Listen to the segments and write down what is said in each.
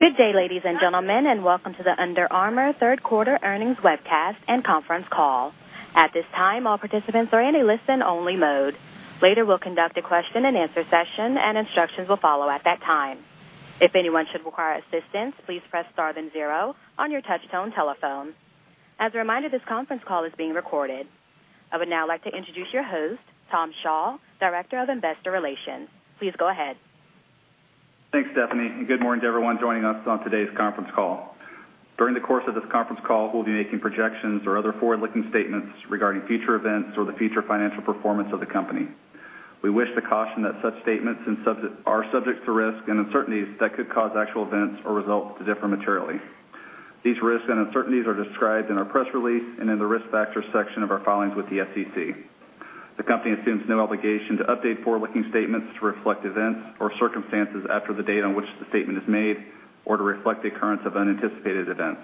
Good day, ladies and gentlemen, and welcome to the Under Armour third quarter earnings webcast and conference call. At this time, all participants are in a listen-only mode. Later, we'll conduct a question and answer session, and instructions will follow at that time. If anyone should require assistance, please press star then zero on your touch-tone telephone. As a reminder, this conference call is being recorded. I would now like to introduce your host, Tom Shaw, Director of Investor Relations. Please go ahead. Thanks, Stephanie, and good morning to everyone joining us on today's conference call. During the course of this conference call, we'll be making projections or other forward-looking statements regarding future events or the future financial performance of the company. We wish to caution that such statements are subject to risks and uncertainties that could cause actual events or results to differ materially. These risks and uncertainties are described in our press release and in the risk factors section of our filings with the SEC. The company assumes no obligation to update forward-looking statements to reflect events or circumstances after the date on which the statement is made or to reflect the occurrence of unanticipated events.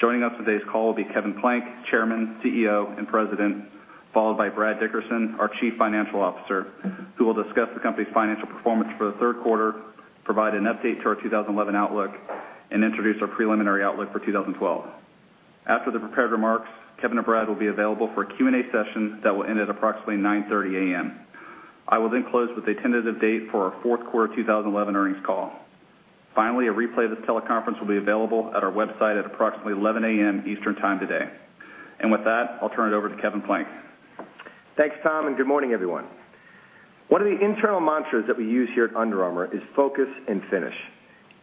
Joining us on today's call will be Kevin Plank, Chairman, CEO, and President, followed by Brad Dickerson, our Chief Financial Officer, who will discuss the company's financial performance for the third quarter, provide an update to our 2011 outlook, and introduce our preliminary outlook for 2012. After the prepared remarks, Kevin and Brad will be available for a Q&A session that will end at approximately 9:30 A.M. I will then close with a tentative date for our Fourth Quarter 2011 Earnings Call. Finally, a replay of this teleconference will be available at our website at approximately 11:00 A.M. Eastern Time today. With that, I'll turn it over to Kevin Plank. Thanks, Tom, and good morning, everyone. One of the internal mantras that we use here at Under Armour is focus and finish.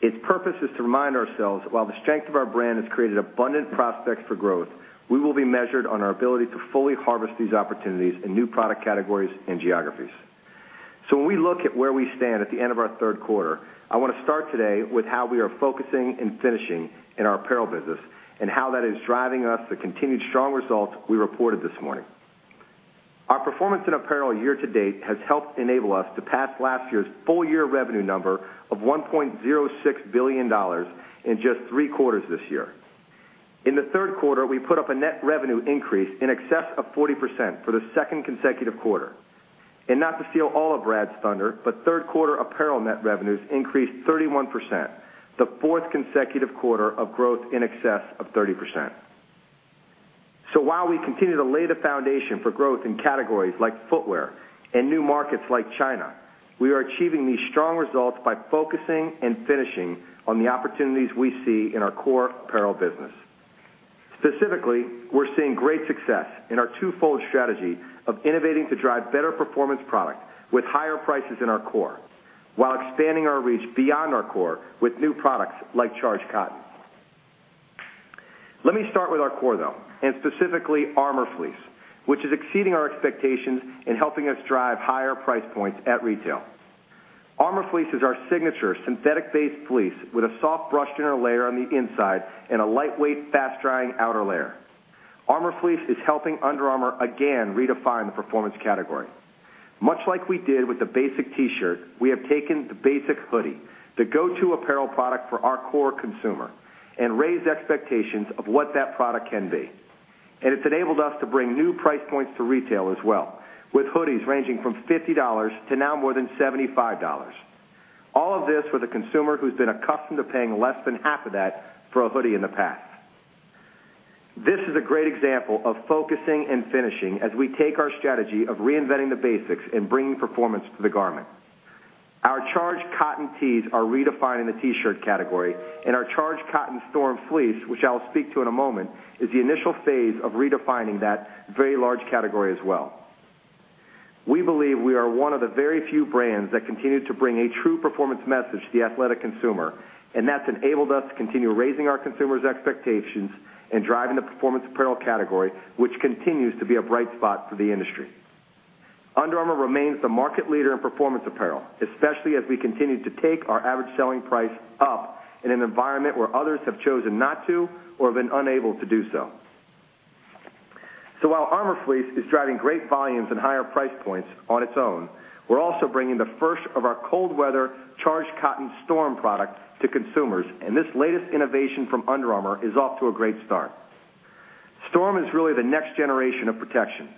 Its purpose is to remind ourselves that while the strength of our brand has created abundant prospects for growth, we will be measured on our ability to fully harvest these opportunities in new product categories and geographies. When we look at where we stand at the end of our third quarter, I want to start today with how we are focusing and finishing in our apparel business and how that is driving us the continued strong results we reported this morning. Our performance in apparel year to date has helped enable us to pass last year's full-year revenue number of $1.06 billion in just three quarters this year. In the third quarter, we put up a net revenue increase in excess of 40% for the second consecutive quarter. Not to steal all of Brad's thunder, but third quarter apparel net revenues increased 31%, the fourth consecutive quarter of growth in excess of 30%. While we continue to lay the foundation for growth in categories like footwear and new markets like China, we are achieving these strong results by focusing and finishing on the opportunities we see in our core apparel business. Specifically, we're seeing great success in our two-fold strategy of innovating to drive better performance product with higher prices in our core while expanding our reach beyond our core with new products like Charged Cotton. Let me start with our core though, and specifically Armour Fleece, which is exceeding our expectations and helping us drive higher price points at retail. Armour Fleece is our signature synthetic-based fleece with a soft brushed inner layer on the inside and a lightweight fast-drying outer layer. Armour Fleece is helping Under Armour again redefine the performance category. Much like we did with the basic T-shirt, we have taken the basic hoodie, the go-to apparel product for our core consumer, and raised expectations of what that product can be. It's enabled us to bring new price points to retail as well, with hoodies ranging from $50 to now more than $75. All of this for the consumer who's been accustomed to paying less than half of that for a hoodie in the past. This is a great example of focusing and finishing as we take our strategy of reinventing the basics and bringing performance to the garment. Our Charged Cotton tees are redefining the T-shirt category, and our Charged Cotton Storm Fleece, which I'll speak to in a moment, is the initial phase of redefining that very large category as well. We believe we are one of the very few brands that continue to bring a true performance message to the athletic consumer, and that's enabled us to continue raising our consumers' expectations and driving the performance apparel category, which continues to be a bright spot for the industry. Under Armour remains the market leader in performance apparel, especially as we continue to take our average selling price up in an environment where others have chosen not to or have been unable to do so. While Armour Fleece is driving great volumes and higher price points on its own, we're also bringing the first of our cold weather Charged Cotton Storm product to consumers, and this latest innovation from Under Armour is off to a great start. Storm is really the next generation of protection.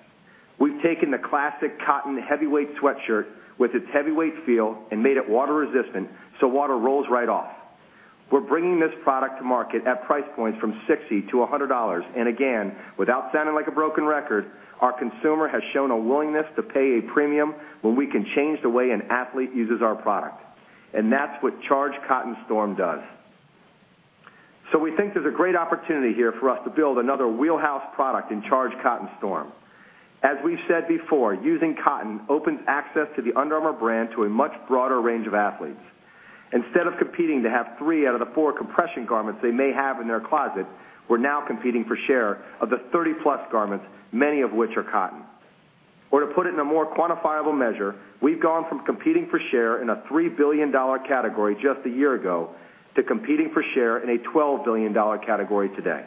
We've taken the classic cotton heavyweight sweatshirt with its heavyweight feel and made it water resistant so water rolls right off. We're bringing this product to market at price points from $60-$100, and again, without sounding like a broken record, our consumer has shown a willingness to pay a premium when we can change the way an athlete uses our product. That's what Charged Cotton Storm does. We think there's a great opportunity here for us to build another wheelhouse product in Charged Cotton Storm. As we've said before, using cotton opens access to the Under Armour brand to a much broader range of athletes. Instead of competing to have three out of the four compression garments they may have in their closet, we're now competing for share of the 30+ garments, many of which are cotton. To put it in a more quantifiable measure, we've gone from competing for share in a $3 billion category just a year ago to competing for share in a $12 billion category today.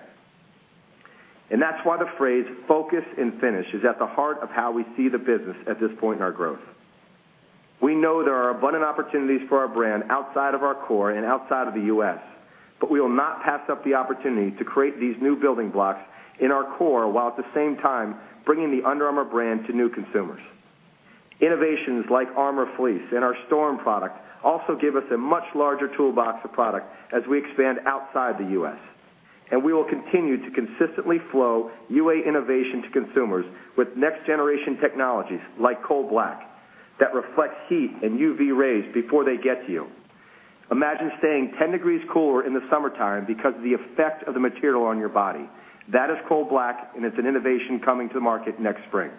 That's why the phrase focus and finish is at the heart of how we see the business at this point in our growth. We know there are abundant opportunities for our brand outside of our core and outside of the U.S., but we will not pass up the opportunity to create these new building blocks in our core while at the same time bringing the Under Armour brand to new consumers. Innovations like Armour Fleece and our Storm product also give us a much larger toolbox of product as we expand outside the U.S. We will continue to consistently flow UA innovation to consumers with next-generation technologies like Cold Black that reflects heat and UV rays before they get to you. Imagine staying 10 degrees cooler in the summertime because of the effect of the material on your body. That is Cold Black, and it's an innovation coming to the market next spring.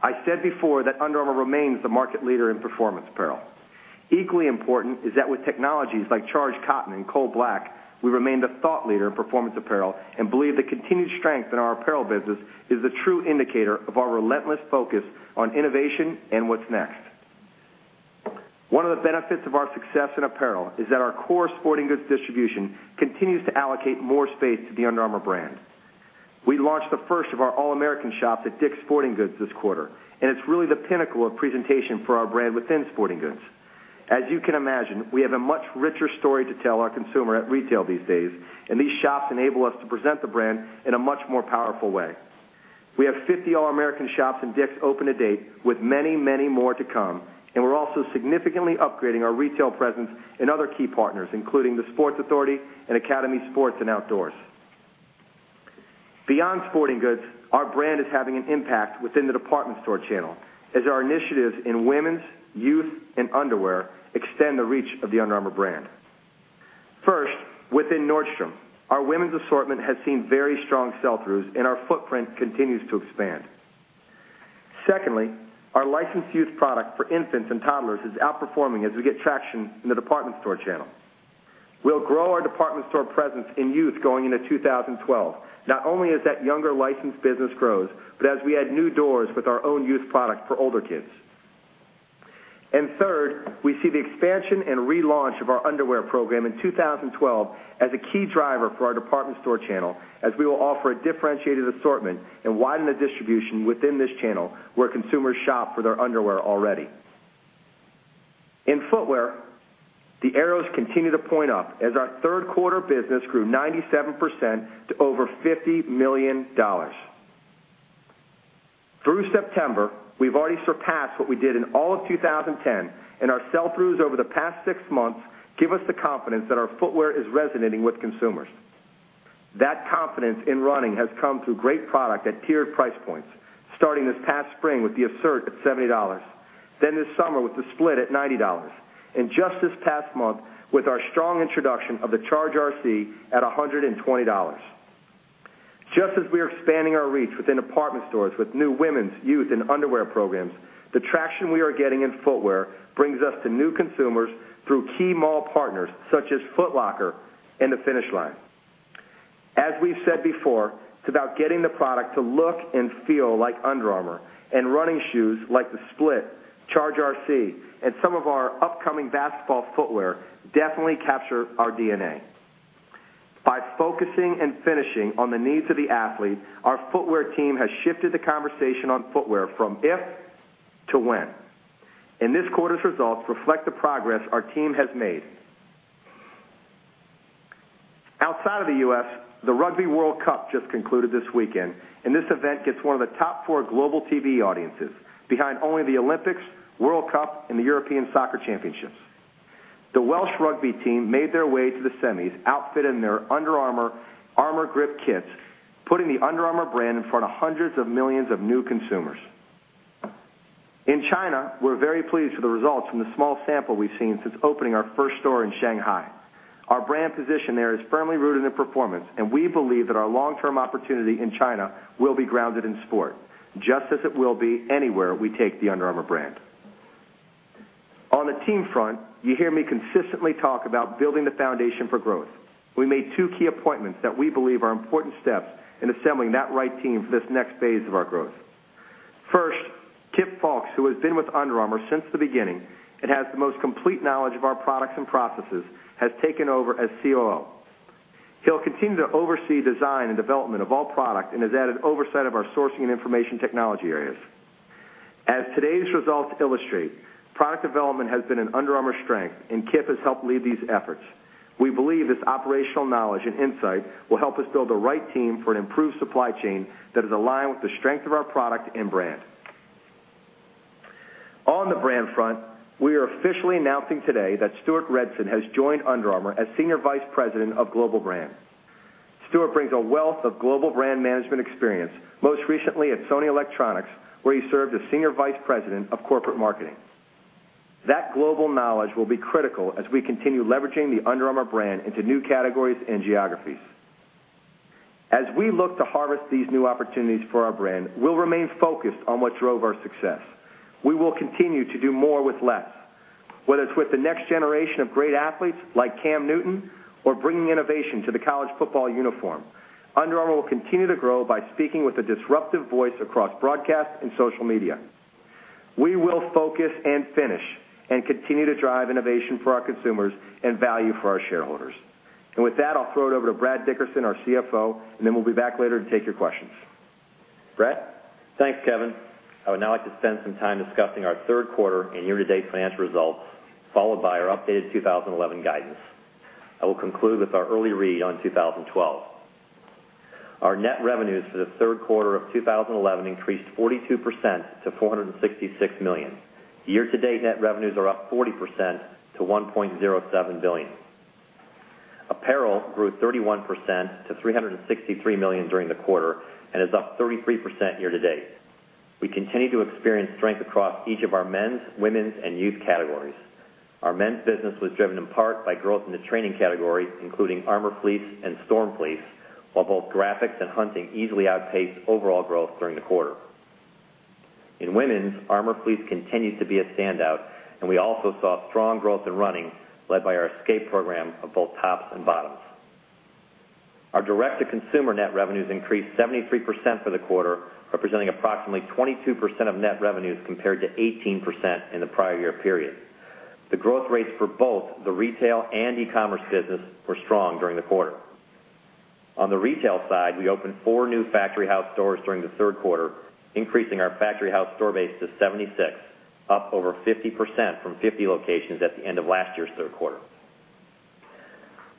I said before that Under Armour remains the market leader in performance apparel. Equally important is that with technologies like Charged Cotton and Cold Black, we remain the thought leader in performance apparel and believe the continued strength in our apparel business is the true indicator of our relentless focus on innovation and what's next. One of the benefits of our success in apparel is that our core sporting goods distribution continues to allocate more space to the Under Armour brand. We launched the first of our All-American shops at DICK'S Sporting Goods this quarter, and it's really the pinnacle of presentation for our brand within sporting goods. As you can imagine, we have a much richer story to tell our consumer at retail these days, and these shops enable us to present the brand in a much more powerful way. We have 50 All-American shops in DICK'S open to date with many, many more to come, and we're also significantly upgrading our retail presence in other key partners, including the Sports Authority and Academy Sports + Outdoors. Beyond sporting goods, our brand is having an impact within the department store channel as our initiatives in women's, youth, and underwear extend the reach of the Under Armour brand. First, within Nordstrom, our women's assortment has seen very strong sell-throughs, and our footprint continues to expand. Secondly, our licensed youth product for infants and toddlers is outperforming as we get traction in the department store channel. We'll grow our department store presence in youth going into 2012, not only as that younger licensed business grows, but as we add new doors with our own youth product for older kids. Third, we see the expansion and relaunch of our underwear program in 2012 as a key driver for our department store channel as we will offer a differentiated assortment and widen the distribution within this channel where consumers shop for their underwear already. In footwear, the arrows continue to point up as our third quarter business grew 97% to over $50 million. Through September, we've already surpassed what we did in all of 2010, and our sell-throughs over the past six months give us the confidence that our footwear is resonating with consumers. That confidence in running has come through great product at tiered price points, starting this past spring with the Assert at $70, then this summer with the Split at $90, and just this past month with our strong introduction of the Charge RC at $120. Just as we are expanding our reach within department stores with new women's, youth, and underwear programs, the traction we are getting in footwear brings us to new consumers through key mall partners such as Foot Locker and Finish Line. As we've said before, it's about getting the product to look and feel like Under Armour, and running shoes like the Split, Charge RC, and some of our upcoming basketball footwear definitely capture our DNA. By focusing and finishing on the needs of the athlete, our footwear team has shifted the conversation on footwear from if to when. This quarter's results reflect the progress our team has made. Outside of the U.S., the Rugby World Cup just concluded this weekend, and this event gets one of the top four global TV audiences behind only the Olympics, World Cup, and the European Soccer Championships. The Welsh rugby team made their way to the semis outfitted in their Under Armour ArmourGrip kits, putting the Under Armour brand in front of hundreds of millions of new consumers. In China, we're very pleased with the results from the small sample we've seen since opening our first store in Shanghai. Our brand position there is firmly rooted in performance, and we believe that our long-term opportunity in China will be grounded in sport, just as it will be anywhere we take the Under Armour brand. On the team front, you hear me consistently talk about building the foundation for growth. We made two key appointments that we believe are important steps in assembling that right team for this next phase of our growth. First, Kip Fulks, who has been with Under Armour since the beginning and has the most complete knowledge of our products and processes, has taken over as Chief Operating Officer. He'll continue to oversee design and development of all product and has added oversight of our sourcing and information technology areas. As today's results illustrate, product development has been an Under Armour strength, and Kip has helped lead these efforts. We believe this operational knowledge and insight will help us build the right team for an improved supply chain that is aligned with the strength of our product and brand. On the brand front, we are officially announcing today that Stuart Redsun has joined Under Armour as Senior Vice President of Global Brand. Stuart brings a wealth of global brand management experience, most recently at Sony Electronics, where he served as Senior Vice President of Corporate Marketing. That global knowledge will be critical as we continue leveraging the Under Armour brand into new categories and geographies. As we look to harvest these new opportunities for our brand, we'll remain focused on what drove our success. We will continue to do more with less, whether it's with the next generation of great athletes like Cam Newton or bringing innovation to the college football uniform. Under Armour will continue to grow by speaking with a disruptive voice across broadcast and social media. We will focus and finish and continue to drive innovation for our consumers and value for our shareholders. With that, I'll throw it over to Brad Dickerson, our CFO, and then we'll be back later to take your questions. Brad? Thanks, Kevin. I would now like to spend some time discussing our third quarter and year-to-date financial results, followed by our updated 2011 guidance. I will conclude with our early read on 2012. Our net revenues for the third quarter of 2011 increased 42% to $466 million. Year-to-date net revenues are up 40% to $1.07 billion. Apparel grew 31% to $363 million during the quarter and is up 33% year to date. We continue to experience strength across each of our men's, women's, and youth categories. Our men's business was driven in part by growth in the training category, including Armour Fleece and Storm Fleece, while both graphics and hunting easily outpaced overall growth during the quarter. In women's, Armour Fleece continues to be a standout, and we also saw strong growth in running, led by our Escape program of both tops and bottoms. Our direct-to-consumer net revenues increased 73% for the quarter, representing approximately 22% of net revenues compared to 18% in the prior year period. The growth rates for both the retail and e-commerce business were strong during the quarter. On the retail side, we opened four new factory house stores during the third quarter, increasing our factory house store base to 76, up over 50% from 50 locations at the end of last year's third quarter.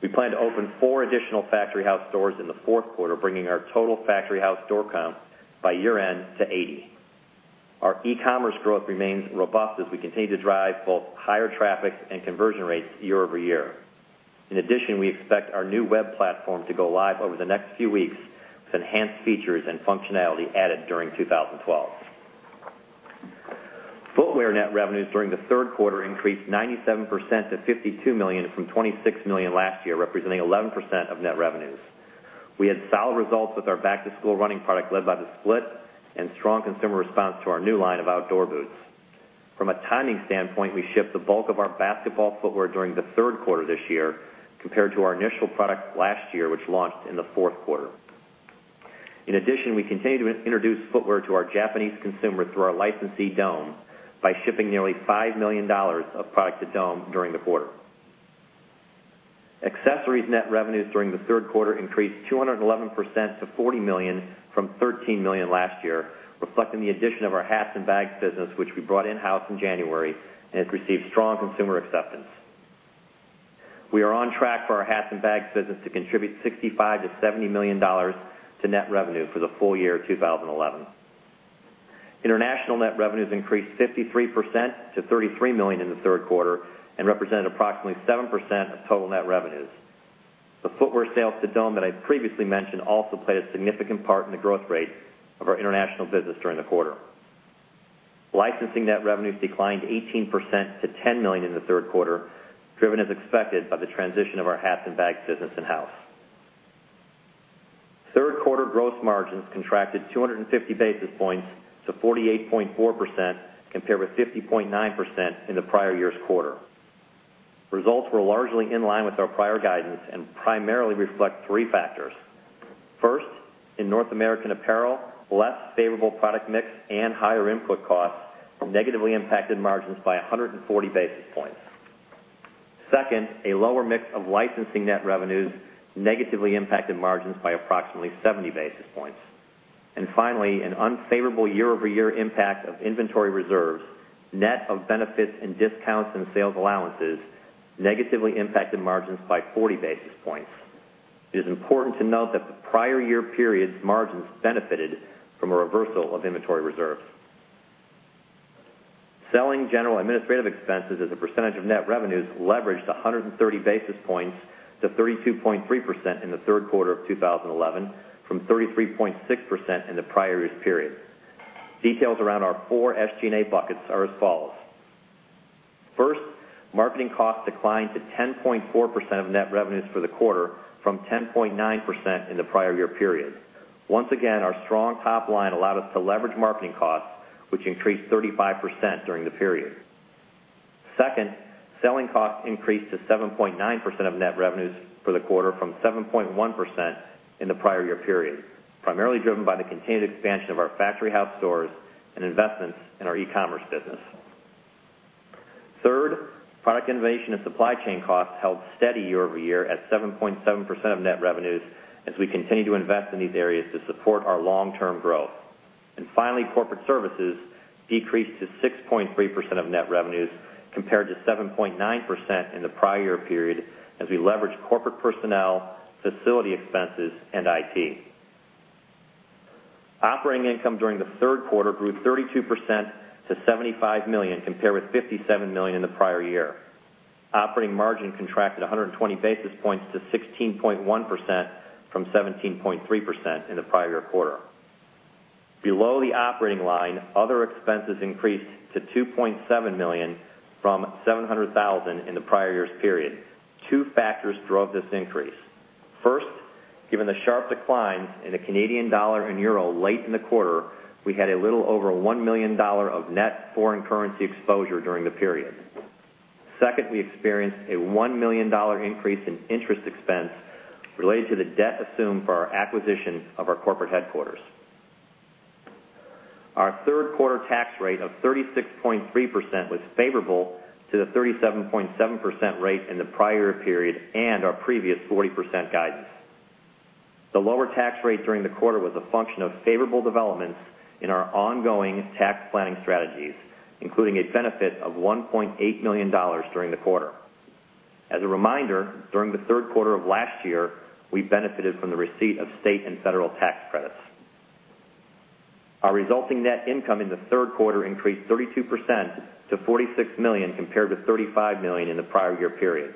We plan to open four additional factory house stores in the fourth quarter, bringing our total factory house door count by year end to 80. Our e-commerce growth remains robust as we continue to drive both higher traffic and conversion rates year-over-year. In addition, we expect our new web platform to go live over the next few weeks with enhanced features and functionality added during 2012. Footwear net revenues during the third quarter increased 97% to $52 million from $26 million last year, representing 11% of net revenues. We had solid results with our back-to-school running product led by the Split and strong consumer response to our new line of outdoor boots. From a timing standpoint, we shipped the bulk of our basketball footwear during the third quarter this year compared to our initial product last year, which launched in the fourth quarter. In addition, we continue to introduce footwear to our Japanese consumer through our licensee DOME by shipping nearly $5 million of product to DOME during the quarter. Accessories net revenues during the third quarter increased 211% to $40 million from $13 million last year, reflecting the addition of our hats and bags business, which we brought in-house in January and has received strong consumer acceptance. We are on track for our hats and bags business to contribute $65 million-$70 million to net revenue for the full year of 2011. International net revenues increased 53% to $33 million in the third quarter and represented approximately 7% of total net revenues. The footwear sales to DOME that I previously mentioned also played a significant part in the growth rate of our international business during the quarter. Licensing net revenues declined 18% to $10 million in the third quarter, driven as expected by the transition of our hats and bags business in-house. Third quarter gross margins contracted 250 basis points to 48.4% compared with 50.9% in the prior year's quarter. Results were largely in line with our prior guidance and primarily reflect three factors. First, in North American apparel, less favorable product mix and higher input costs negatively impacted margins by 140 basis points. Second, a lower mix of licensing net revenues negatively impacted margins by approximately 70 basis points. Finally, an unfavorable year-over-year impact of inventory reserves, net of benefits and discounts and sales allowances negatively impacted margins by 40 basis points. It is important to note that the prior year period's margins benefited from a reversal of inventory reserves. Selling, general, and administrative expenses as a percentage of net revenues leveraged 130 basis points to 32.3% in the third quarter of 2011 from 33.6% in the prior year's period. Details around our four SG&A buckets are as follows. First, marketing costs declined to 10.4% of net revenues for the quarter from 10.9% in the prior year period. Once again, our strong top line allowed us to leverage marketing costs, which increased 35% during the period. Second, selling costs increased to 7.9% of net revenues for the quarter from 7.1% in the prior year period, primarily driven by the continued expansion of our factory house stores and investments in our e-commerce business. Third, product innovation and supply chain costs held steady year-over-year at 7.7% of net revenues as we continue to invest in these areas to support our long-term growth. Corporate services decreased to 6.3% of net revenues compared to 7.9% in the prior year period as we leveraged corporate personnel, facility expenses, and IT. Operating income during the third quarter grew 32% to $75 million compared with $57 million in the prior year. Operating margin contracted 120 basis points to 16.1% from 17.3% in the prior year quarter. Below the operating line, other expenses increased to $2.7 million from $700,000 in the prior year's period. Two factors drove this increase. First, given the sharp declines in the Canadian dollar and euro late in the quarter, we had a little over $1 million of net foreign currency exposure during the period. Second, we experienced a $1 million increase in interest expense related to the debt assumed for our acquisition of our corporate headquarters. Our third quarter tax rate of 36.3% was favorable to the 37.7% rate in the prior year period and our previous 40% guidance. The lower tax rate during the quarter was a function of favorable developments in our ongoing tax planning strategies, including a benefit of $1.8 million during the quarter. As a reminder, during the third quarter of last year, we benefited from the receipt of state and federal tax credits. Our resulting net income in the third quarter increased 32% to $46 million compared with $35 million in the prior year period.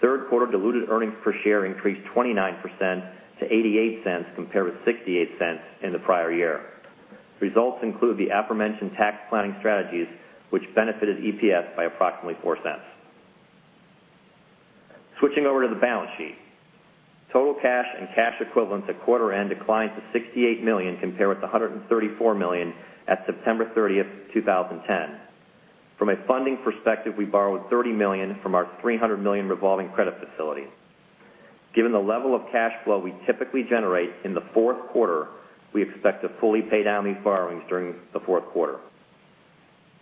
Third quarter diluted earnings per share increased 29% to $0.88 compared with $0.68 in the prior year. Results include the aforementioned tax planning strategies, which benefited EPS by approximately $0.04. Switching over to the balance sheet, total cash and cash equivalents at quarter end declined to $68 million compared with $134 million at September 30, 2010. From a funding perspective, we borrowed $30 million from our $300 million revolving credit facility. Given the level of cash flow we typically generate in the fourth quarter, we expect to fully pay down these borrowings during the fourth quarter.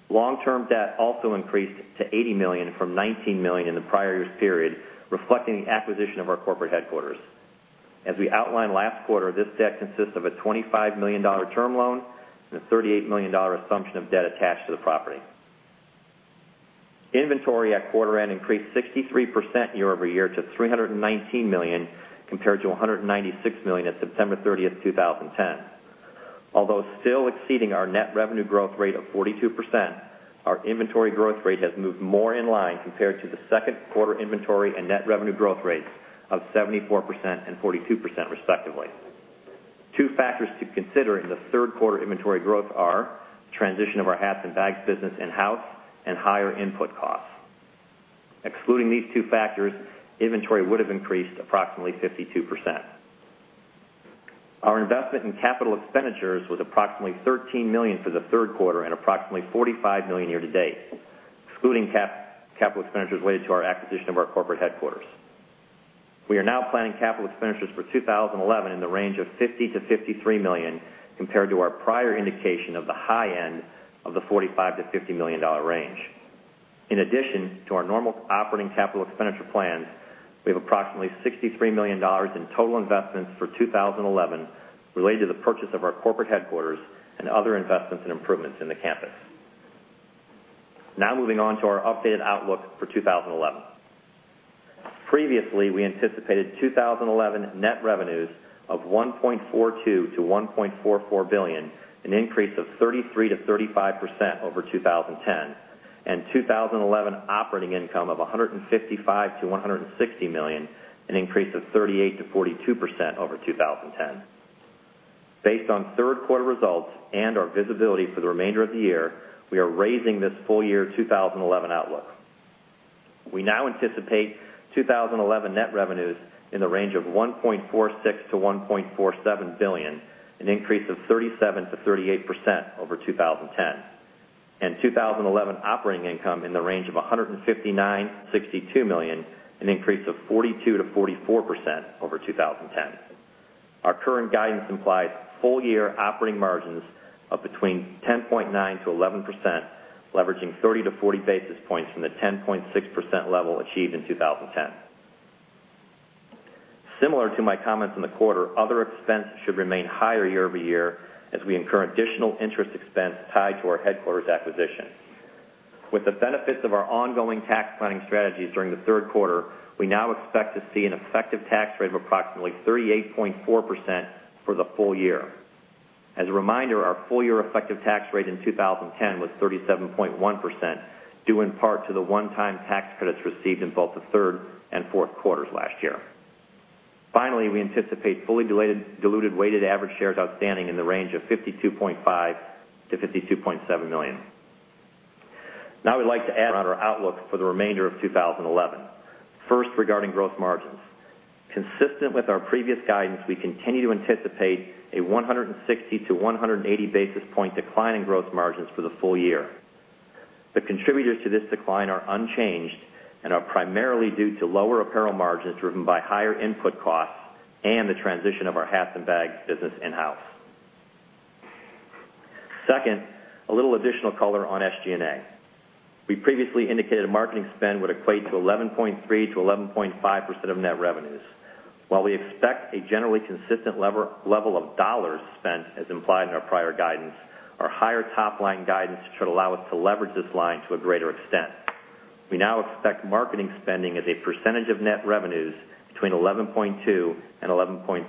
Long-term debt also increased to $80 million from $19 million in the prior year's period, reflecting the acquisition of our corporate headquarters. As we outlined last quarter, this debt consists of a $25 million term loan and a $38 million assumption of debt attached to the property. Inventory at quarter end increased 63% year-over-year to $319 million compared to $196 million at September 30, 2010. Although still exceeding our net revenue growth rate of 42%, our inventory growth rate has moved more in line compared to the second quarter inventory and net revenue growth rates of 74% and 42%, respectively. Two factors to consider in the third quarter inventory growth are the transition of our hats and bags business in-house and higher input costs. Excluding these two factors, inventory would have increased approximately 52%. Our investment in capital expenditures was approximately $13 million for the third quarter and approximately $45 million year to date, excluding capital expenditures related to our acquisition of our corporate headquarters. We are now planning capital expenditures for 2011 in the range of $50 million-$53 million compared to our prior indication of the high end of the $45 million-$50 million range. In addition to our normal operating capital expenditure plans, we have approximately $63 million in total investments for 2011 related to the purchase of our corporate headquarters and other investments and improvements in the campus. Now moving on to our updated outlook for 2011. Previously, we anticipated 2011 net revenues of $1.42 million-$1.44 billion, an increase of 33%-35% over 2010, and 2011 operating income of $155 million-$160 million, an increase of 38%-42% over 2010. Based on third quarter results and our visibility for the remainder of the year, we are raising this full year 2011 outlook. We now anticipate 2011 net revenues in the range of $1.46 billion-$1.47 billion, an increase of 37%-38% over 2010, and 2011 operating income in the range of $159 million, $162 million, an increase of 42%-44% over 2010. Our current guidance implies full-year operating margins of between 10.9%-11%, leveraging 30 basis points-40 basis points from the 10.6% level achieved in 2010. Similar to my comments in the quarter, other expense should remain higher year-over-year as we incur additional interest expense tied to our headquarters acquisition. With the benefits of our ongoing tax planning strategies during the third quarter, we now expect to see an effective tax rate of approximately 38.4% for the full year. As a reminder, our full-year effective tax rate in 2010 was 37.1%, due in part to the one-time tax credits received in both the third and fourth quarters last year. Finally, we anticipate fully diluted weighted average shares outstanding in the range of 52.5 million-52.7 million. Now we'd like to add around our outlooks for the remainder of 2011. First, regarding gross margins, consistent with our previous guidance, we continue to anticipate a 160 basis points-180 basis point decline in gross margins for the full year. The contributors to this decline are unchanged and are primarily due to lower apparel margins driven by higher input costs and the transition of our hats and bags business in-house. Second, a little additional color on SG&A. We previously indicated marketing spend would equate to 11.3%-11.5% of net revenues. While we expect a generally consistent level of dollars spent, as implied in our prior guidance, our higher top line guidance should allow us to leverage this line to a greater extent. We now expect marketing spending as a percentage of net revenues between 11.2% and 11.3%.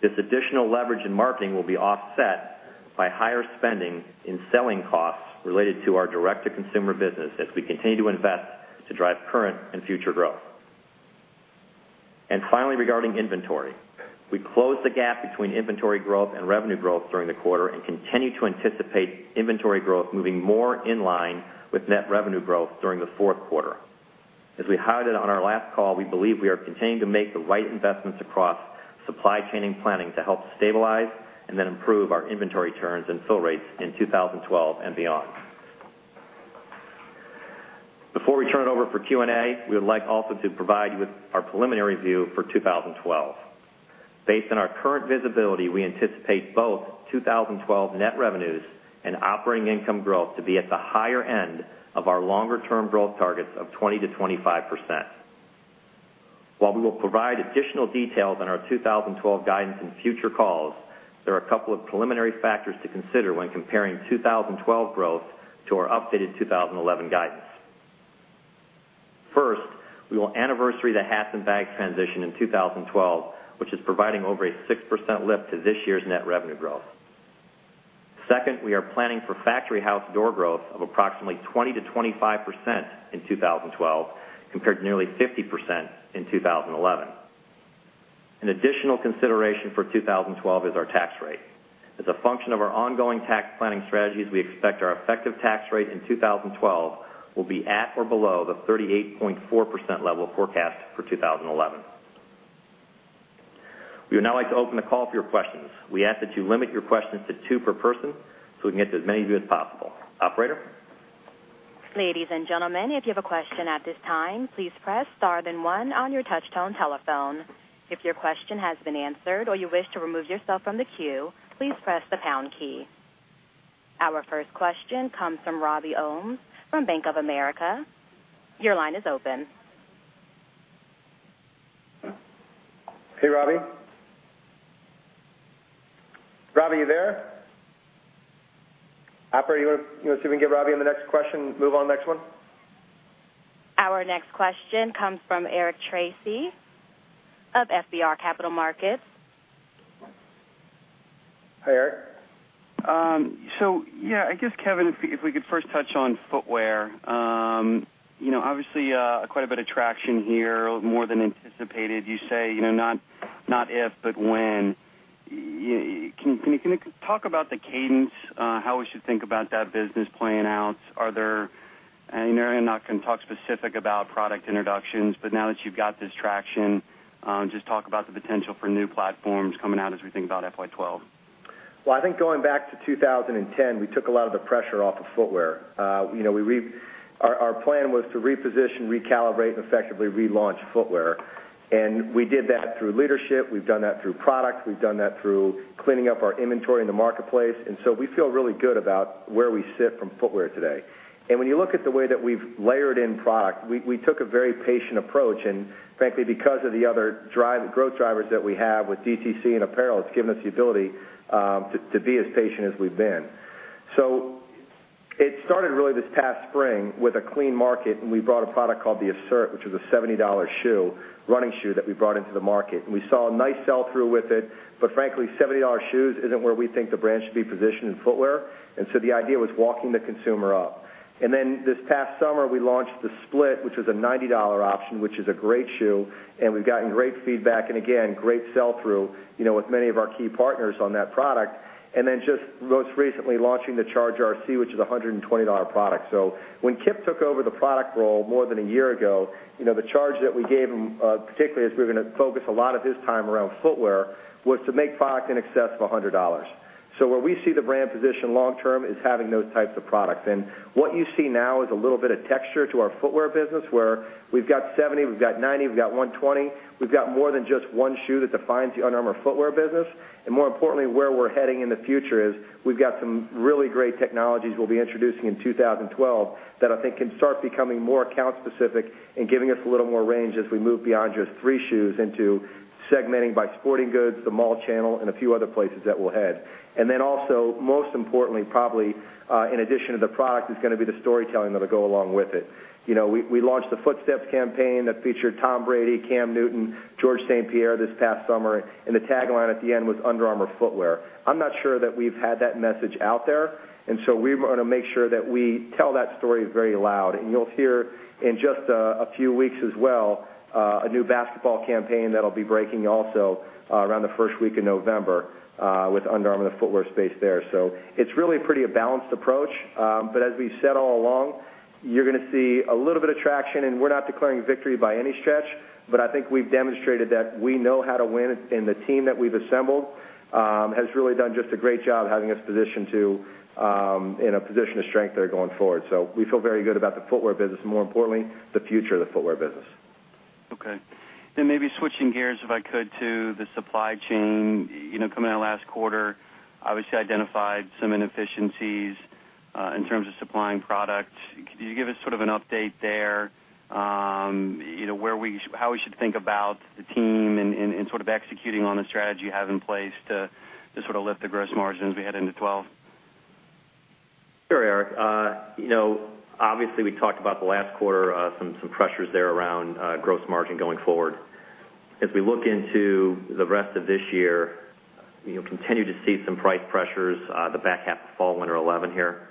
This additional leverage in marketing will be offset by higher spending in selling costs related to our direct-to-consumer business as we continue to invest to drive current and future growth. Finally, regarding inventory, we close the gap between inventory growth and revenue growth during the quarter and continue to anticipate inventory growth moving more in line with net revenue growth during the fourth quarter. As we highlighted on our last call, we believe we are continuing to make the right investments across supply chain and planning to help stabilize and then improve our inventory turns and fill rates in 2012 and beyond. Before we turn it over for Q&A, we would also like to provide you with our preliminary view for 2012. Based on our current visibility, we anticipate both 2012 net revenues and operating income growth to be at the higher end of our longer-term growth targets of 20%-25%. While we will provide additional details on our 2012 guidance in future calls, there are a couple of preliminary factors to consider when comparing 2012 growth to our updated 2011 guidance. First, we will anniversary the hats and bag transition in 2012, which is providing over a 6% lift to this year's net revenue growth. Second, we are planning for factory house door growth of approximately 20%-25% in 2012 compared to nearly 50% in 2011. An additional consideration for 2012 is our tax rate. As a function of our ongoing tax planning strategies, we expect our effective tax rate in 2012 will be at or below the 38.4% level forecast for 2011. We would now like to open the call for your questions. We ask that you limit your questions to two per person so we can get to as many of you as possible. Operator? Ladies and gentlemen, if you have a question at this time, please press star then one on your touch-tone telephone. If your question has been answered or you wish to remove yourself from the queue, please press the pound key. Our first question comes from Robbie Owens from Bank of America. Your line is open. Hey, Robbie. Robbie, are you there? Operator, you want to see if we can get Robbie on the next question, move on to the next one. Our next question comes from Eric Tracy of BMO Capital Markets. Hi, Eric. Yeah, I guess, Kevin, if we could first touch on footwear. You know, obviously, quite a bit of traction here, more than anticipated. You say, you know, not if, but when. Can you talk about the cadence, how we should think about that business playing out? I'm not going to talk specific about product introductions, but now that you've got this traction, just talk about the potential for new platforms coming out as we think about FY12. Going back to 2010, we took a lot of the pressure off of footwear. Our plan was to reposition, recalibrate, and effectively relaunch footwear. We did that through leadership, through product, and by cleaning up our inventory in the marketplace. We feel really good about where we sit from footwear today. When you look at the way that we've layered in product, we took a very patient approach. Frankly, because of the other growth drivers that we have with DTC and apparel, it's given us the ability to be as patient as we've been. It started this past spring with a clean market, and we brought a product called the Assert, which was a $70 running shoe that we brought into the market. We saw a nice sell-through with it. Frankly, $70 shoes isn't where we think the brand should be positioned in footwear. The idea was walking the consumer up. This past summer, we launched the Split, which was a $90 option, which is a great shoe. We've gotten great feedback and, again, great sell-through with many of our key partners on that product. Most recently, we launched the Charge RC, which is a $120 product. When Kip took over the product role more than a year ago, the charge that we gave him, particularly as we were going to focus a lot of his time around footwear, was to make product in excess of $100. Where we see the brand position long-term is having those types of products. What you see now is a little bit of texture to our footwear business where we've got $70, we've got $90, we've got $120. We've got more than just one shoe that defines the Under Armour footwear business. More importantly, where we're heading in the future is we've got some really great technologies we'll be introducing in 2012 that I think can start becoming more account-specific and giving us a little more range as we move beyond just three shoes into segmenting by sporting goods, the mall channel, and a few other places that we'll head. Most importantly, probably in addition to the product, it's going to be the storytelling that will go along with it. We launched the Footsteps campaign that featured Tom Brady, Cam Newton, Georges St-Pierre this past summer. The tagline at the end was Under Armour footwear. I'm not sure that we've had that message out there. We want to make sure that we tell that story very loud. You will hear in just a few weeks as well a new basketball campaign that will be breaking also around the first week in November with Under Armour in the footwear space there. It is really a pretty balanced approach. As we've said all along, you're going to see a little bit of traction. We're not declaring victory by any stretch. I think we've demonstrated that we know how to win. The team that we've assembled has really done just a great job having us positioned in a position of strength there going forward. We feel very good about the footwear business and, more importantly, the future of the footwear business. OK. Maybe switching gears, if I could, to the supply chain. Coming out last quarter, obviously identified some inefficiencies in terms of supplying product. Could you give us sort of an update there? How we should think about the team and sort of executing on the strategy you have in place to lift the gross margins beginning in 2012? Sure, Eric. Obviously, we talked about the last quarter, some pressures there around gross margin going forward. As we look into the rest of this year, you'll continue to see some price pressures, the back half of fall, winter 2011 here,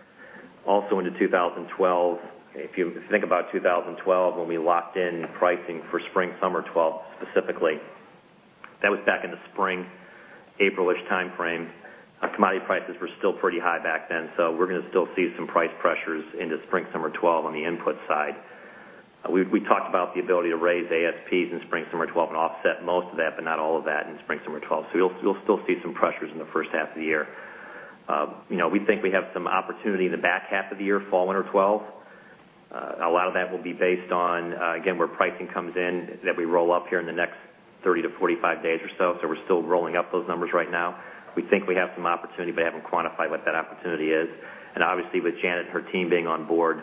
also into 2012. If you think about 2012, when we locked in pricing for spring/summer 2012 specifically, that was back in the spring, April-ish time frame. Our commodity prices were still pretty high back then. We're going to still see some price pressures into spring/summer 2012 on the input side. We talked about the ability to raise ASPs in spring/summer 2012 and offset most of that, but not all of that in spring/summer 2012. You'll still see some pressures in the first half of the year. We think we have some opportunity in the back half of the year, fall, winter 2012. A lot of that will be based on, again, where pricing comes in that we roll up here in the next 30 days-45 days or so. We're still rolling up those numbers right now. We think we have some opportunity, but I haven't quantified what that opportunity is. Obviously, with Janet and her team being on board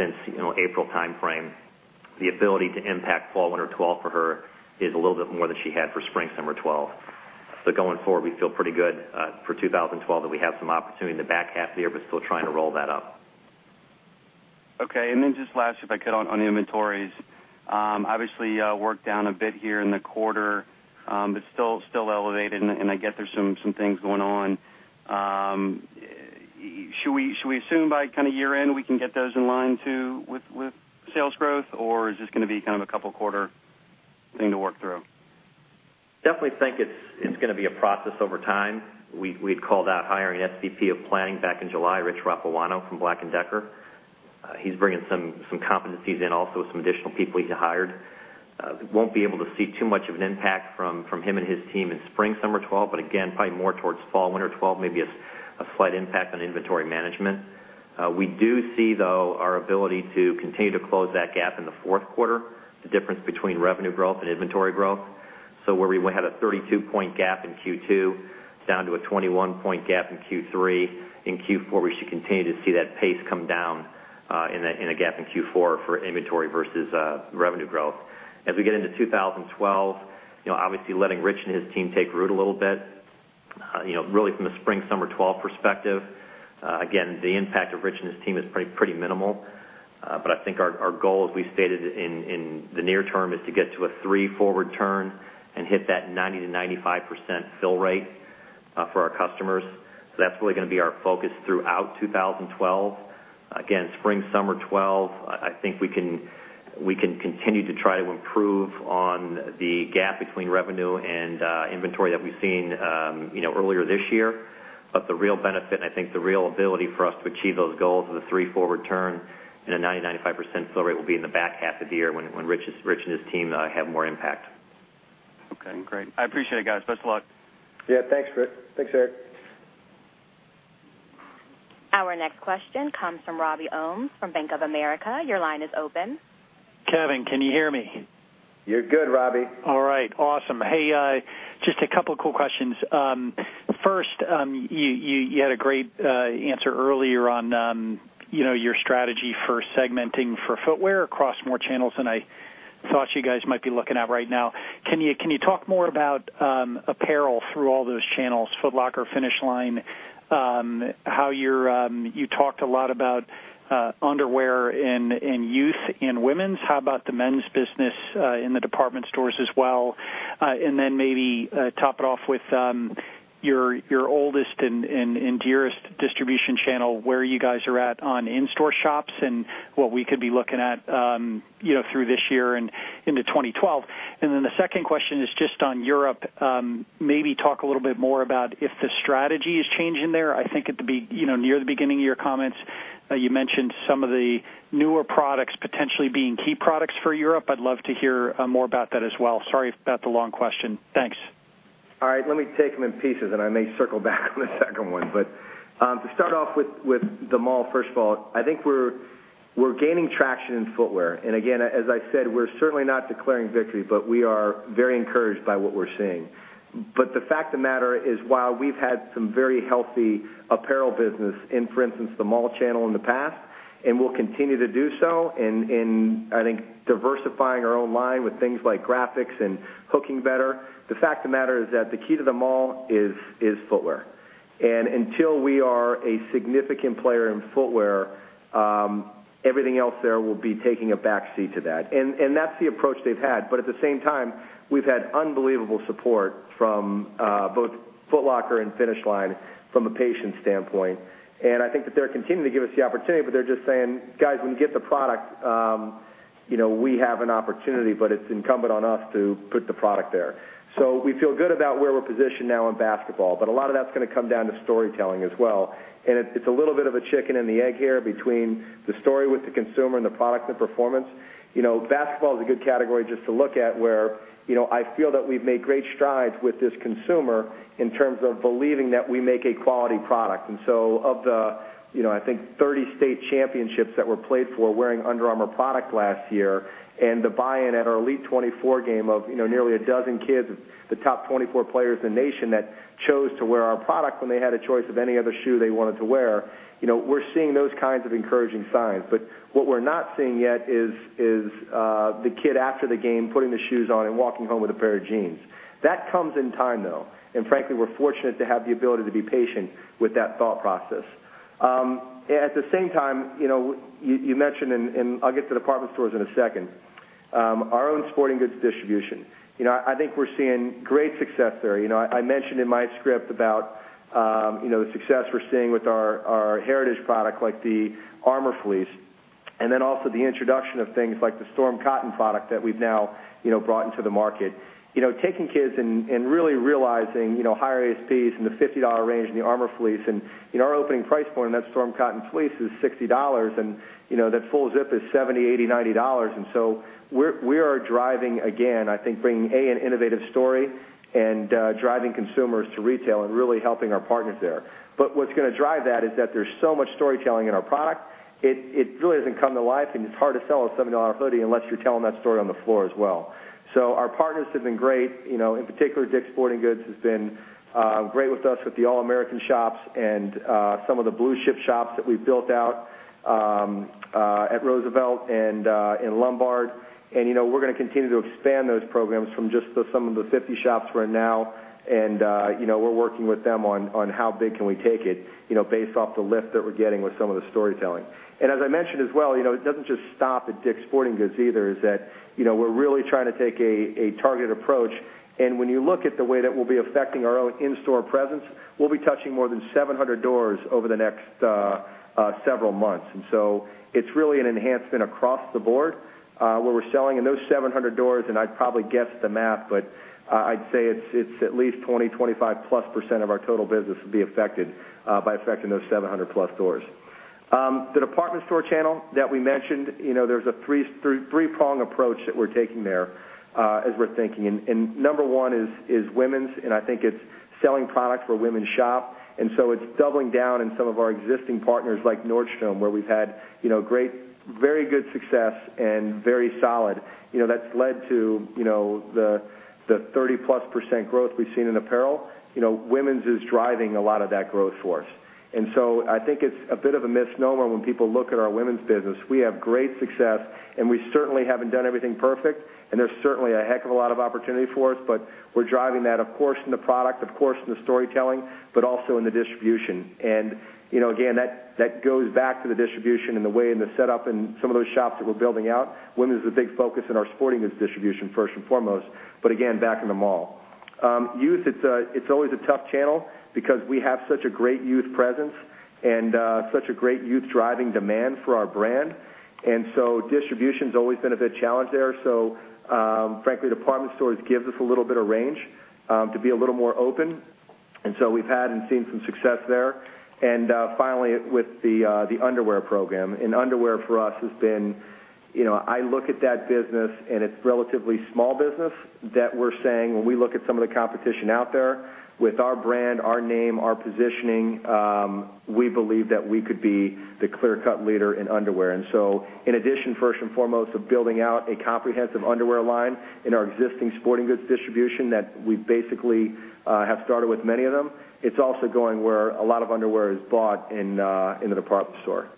since April time frame, the ability to impact fall, winter 2012 for her is a little bit more than she had for spring/summer 2012. Going forward, we feel pretty good for 2012 that we have some opportunity in the back half of the year, but still trying to roll that up. OK. Just last, if I could, on inventories. Obviously, we're down a bit here in the quarter, but still elevated. I get there's some things going on. Should we assume by kind of year end we can get those in line too with sales growth? Is this going to be kind of a couple-quarter thing to work through? Definitely think it's going to be a process over time. We'd call that hiring SVP of Planning back in July, Rich Rapuano from BLACK + DECKER. He's bringing some competencies in, also some additional people he's hired. We won't be able to see too much of an impact from him and his team in spring/summer 2012, but again, probably more towards fall, winter 2012, maybe a slight impact on inventory management. We do see, though, our ability to continue to close that gap in the fourth quarter, the difference between revenue growth and inventory growth. Where we had a 32-point gap in Q2 down to a 21-point gap in Q3, in Q4, we should continue to see that pace come down in a gap in Q4 for inventory versus revenue growth. As we get into 2012, obviously letting Rich and his team take root a little bit, really from a spring/summer 2012 perspective. Again, the impact of Rich and his team is pretty minimal. I think our goal, as we stated in the near term, is to get to a three-forward turn and hit that 90%-95% fill rate for our customers. That's really going to be our focus throughout 2012. Again, spring/summer 2012, I think we can continue to try to improve on the gap between revenue and inventory that we've seen earlier this year. The real benefit and I think the real ability for us to achieve those goals of the three-forward turn and a 90%-95% fill rate will be in the back half of the year when Rich and his team have more impact. OK. Great. I appreciate it, guys. Best of luck. Yeah. Thanks, Rich.Thanks, Eric. Our next question comes from Robbie Owens from Bank of America. Your line is open. Kevin, can you hear me? You're good, Robbie. All right. Awesome. Hey, just a couple of quick questions. First, you had a great answer earlier on your strategy for segmenting for footwear across more channels than I thought you guys might be looking at right now. Can you talk more about apparel through all those channels? Foot Locker, Finish Line, how you talked a lot about underwear and youth and women's. How about the men's business in the department stores as well? Maybe top it off with your oldest and dearest distribution channel, where you guys are at on in-store shops and what we could be looking at through this year and into 2012. The second question is just on Europe. Maybe talk a little bit more about if the strategy is changing there. I think near the beginning of your comments, you mentioned some of the newer products potentially being key products for Europe. I'd love to hear more about that as well. Sorry about the long question. Thanks. All right. Let me take them in pieces, and I may circle back on the second one. To start off with the mall, first of all, I think we're gaining traction in footwear. Again, as I said, we're certainly not declaring victory, but we are very encouraged by what we're seeing. The fact of the matter is while we've had some very healthy apparel business in, for instance, the mall channel in the past, and we'll continue to do so in, I think, diversifying our own line with things like graphics and hooking better, the fact of the matter is that the key to the mall is footwear. Until we are a significant player in footwear, everything else there will be taking a back seat to that. That's the approach they've had. At the same time, we've had unbelievable support from both Foot Locker and Finish Line from a patient standpoint. I think that they're continuing to give us the opportunity, but they're just saying, guys, when you get the product, we have an opportunity, but it's incumbent on us to put the product there. We feel good about where we're positioned now in basketball. A lot of that's going to come down to storytelling as well. It's a little bit of a chicken and the egg here between the story with the consumer and the product and the performance. Basketball is a good category just to look at where I feel that we've made great strides with this consumer in terms of believing that we make a quality product. Of the, I think, 30 state championships that were played for wearing Under Armour product last year and the buy-in at our Elite 24 game of nearly a dozen kids of the top 24 players in the nation that chose to wear our product when they had a choice of any other shoe they wanted to wear, we're seeing those kinds of encouraging signs. What we're not seeing yet is the kid after the game putting the shoes on and walking home with a pair of jeans. That comes in time, though. Frankly, we're fortunate to have the ability to be patient with that thought process. At the same time, you mentioned, and I'll get to the department stores in a second, our own sporting goods distribution. I think we're seeing great success there. I mentioned in my script about the success we're seeing with our heritage product like the Armour Fleece, and then also the introduction of things like the Storm Cotton product that we've now brought into the market. Taking kids and really realizing higher ASPs in the $50 range in the Armour Fleece. Our opening price point in that Storm Cotton fleece is $60. That full zip is $70, $80, $90. We are driving, again, I think bringing an innovative story and driving consumers to retail and really helping our partners there. What is going to drive that is that there is so much storytelling in our product, it really does not come to life. It is hard to sell a $70 hoodie unless you are telling that story on the floor as well. Our partners have been great. In particular, DICK'S Sporting Goods has been great with us with the All-American shops and some of the blue chip shops that we have built out at Roosevelt and Lombard. We are going to continue to expand those programs from just some of the 50 shops we are in now. We are working with them on how big we can take it based off the lift that we are getting with some of the storytelling. As I mentioned as well, it does not just stop at DICK'S Sporting Goods either. We are really trying to take a targeted approach. When you look at the way that we will be affecting our own in-store presence, we will be touching more than 700 doors over the next several months. It is really an enhancement across the board where we are selling in those 700 doors. I would probably guess the math, but I would say it is at least 20%, 25%+ of our total business will be affected by affecting those 700 plus doors. The department store channel that we mentioned, there is a three-prong approach that we are taking there as we are thinking. Number one is women's. I think it is selling products where women shop. It is doubling down in some of our existing partners like Nordstrom, where we have had great, very good success and very solid. That has led to the 30%+ growth we have seen in apparel. Women's is driving a lot of that growth for us. I think it is a bit of a misnomer when people look at our women's business. We have great success. We certainly have not done everything perfect. There is certainly a heck of a lot of opportunity for us. We are driving that, of course, in the product, of course, in the storytelling, but also in the distribution. That goes back to the distribution and the way in the setup and some of those shops that we are building out. Women's is a big focus in our sporting goods distribution first and foremost, back in the mall. Youth, it's always a tough channel because we have such a great youth presence and such a great youth driving demand for our brand. Distribution's always been a bit challenged there. Frankly, department stores give us a little bit of range to be a little more open. We've had and seen some success there. Finally, with the underwear program. Underwear for us has been, I look at that business, and it's a relatively small business that we're saying when we look at some of the competition out there, with our brand, our name, our positioning, we believe that we could be the clear-cut leader in underwear. In addition, first and foremost, of building out a comprehensive underwear line in our existing sporting goods distribution that we basically have started with many of them, it's also going where a lot of underwear is bought in the department store.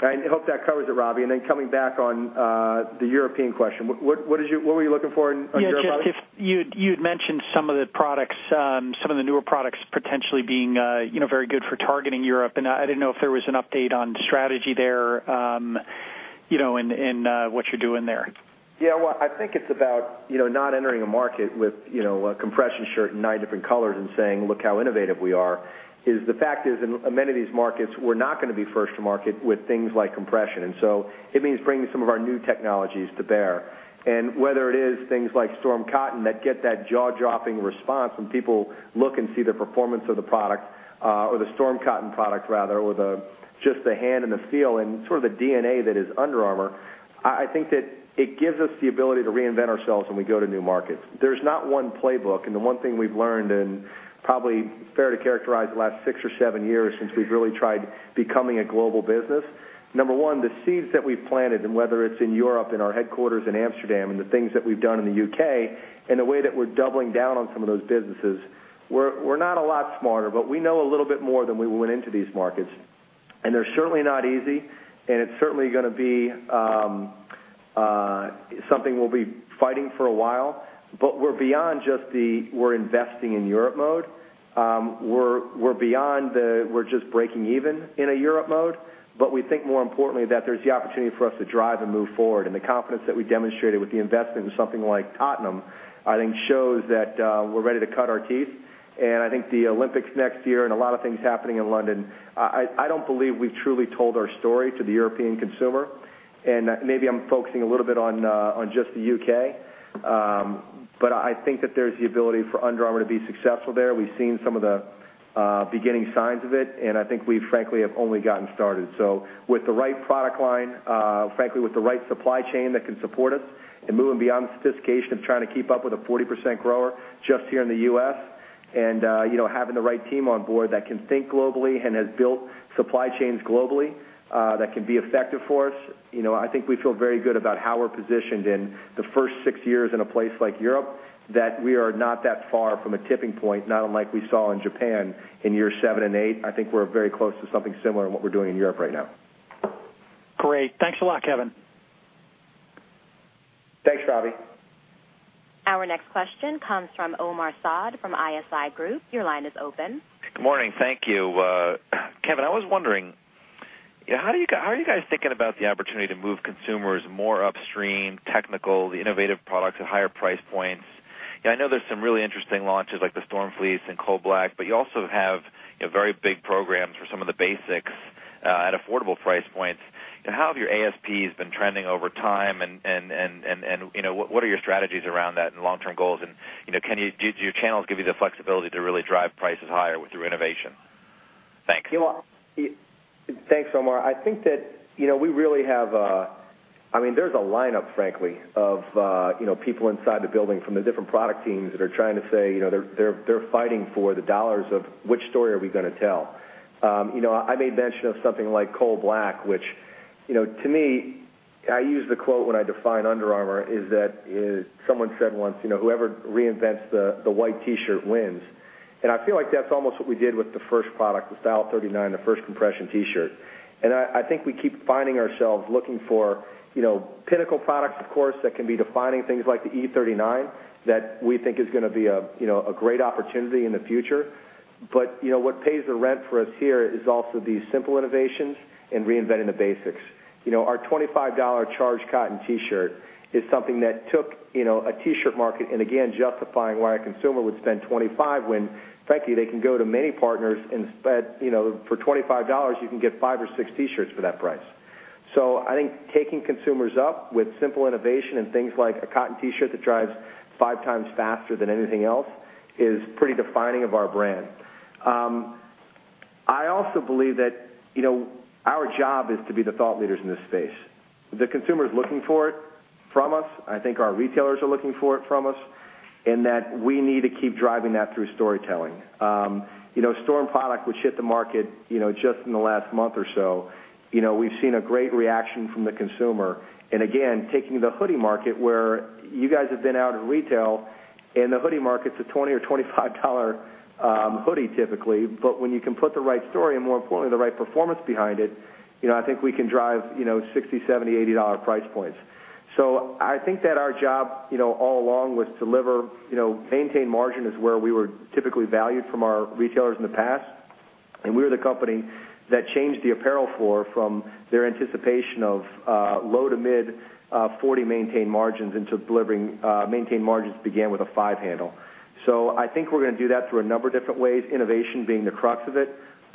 I hope that covers it, Robbie. Coming back on the European question, what were you looking for in Europe? You had mentioned some of the products, some of the newer products potentially being very good for targeting Europe. I didn't know if there was an update on strategy there and what you're doing there. Yeah. I think it's about not entering a market with a compression shirt in nine different colors and saying, look how innovative we are. The fact is, in many of these markets, we're not going to be first to market with things like compression. It means bringing some of our new technologies to bear. Whether it is things like Storm Cotton that get that jaw-dropping response when people look and see the performance of the product, or the Storm Cotton product, rather, or just the hand and the feel and sort of the DNA that is Under Armour, I think that it gives us the ability to reinvent ourselves when we go to new markets. There's not one playbook. The one thing we've learned and probably fair to characterize the last six or seven years since we've really tried becoming a global business, number one, the seeds that we've planted, and whether it's in Europe in our headquarters in Amsterdam and the things that we've done in the U.K., and the way that we're doubling down on some of those businesses, we're not a lot smarter, but we know a little bit more than we went into these markets. They're certainly not easy. It's certainly going to be something we'll be fighting for a while. We're beyond just the we're investing in Europe mode. We're beyond the we're just breaking even in a Europe mode. We think more importantly that there's the opportunity for us to drive and move forward. The confidence that we demonstrated with the investment in something like Tottenham, I think, shows that we're ready to cut our teeth. I think the Olympics next year and a lot of things happening in London, I don't believe we've truly told our story to the European consumer. Maybe I'm focusing a little bit on just the U.K.. I think that there's the ability for Under Armour to be successful there. We've seen some of the beginning signs of it. I think we frankly have only gotten started. With the right product line, frankly with the right supply chain that can support us, and moving beyond sophistication of trying to keep up with a 40% grower just here in the U.S., and having the right team on board that can think globally and has built supply chains globally that can be effective for us, I think we feel very good about how we're positioned in the first six years in a place like Europe, that we are not that far from a tipping point, not unlike we saw in Japan in years seven and eight. I think we're very close to something similar in what we're doing in Europe right now. Great. Thanks a lot, Kevin. Thanks, Robbie. Our next question comes from Omar Saad from ISI Group. Your line is open. Good morning. Thank you. Kevin, I was wondering, how are you guys thinking about the opportunity to move consumers more upstream, technical, the innovative products at higher price points? I know there's some really interesting launches like the Armour Fleece and Cold Black, but you also have very big programs for some of the basics at affordable price points. How have your ASPs been trending over time? What are your strategies around that and long-term goals? Do your channels give you the flexibility to really drive prices higher through innovation? Thanks. Thanks, Omar. I think that we really have, I mean, there's a lineup, frankly, of people inside the building from the different product teams that are trying to say they're fighting for the dollars of which story are we going to tell. I made mention of something like Cold Black, which to me, I use the quote when I define Under Armour, is that someone said once, whoever reinvents the white T-shirt wins. I feel like that's almost what we did with the first product, the Style 39, the first compression T-shirt. I think we keep finding ourselves looking for pinnacle products, of course, that can be defining things like the E39 that we think is going to be a great opportunity in the future. What pays the rent for us here is also the simple innovations and reinventing the basics. Our $25 Charged Cotton T-shirt is something that took a T-shirt market and, again, justifying why a consumer would spend $25 when, frankly, they can go to many partners and for $25, you can get five or six T-shirts for that price. I think taking consumers up with simple innovation and things like a cotton T-shirt that dries 5x faster than anything else is pretty defining of our brand. I also believe that our job is to be the thought leaders in this space. The consumer is looking for it from us. I think our retailers are looking for it from us. We need to keep driving that through storytelling. Storm product, which hit the market just in the last month or so, we've seen a great reaction from the consumer. Again, taking the hoodie market where you guys have been out of retail, and the hoodie market's a $20 or $25 hoodie typically. When you can put the right story and, more importantly, the right performance behind it, I think we can drive $60, $70, $80 price points. I think that our job all along was to maintain margin is where we were typically valued from our retailers in the past. We were the company that changed the apparel floor from their anticipation of low to mid 40 maintained margins into delivering maintained margins that began with a five handle. I think we're going to do that through a number of different ways, innovation being the crux of it.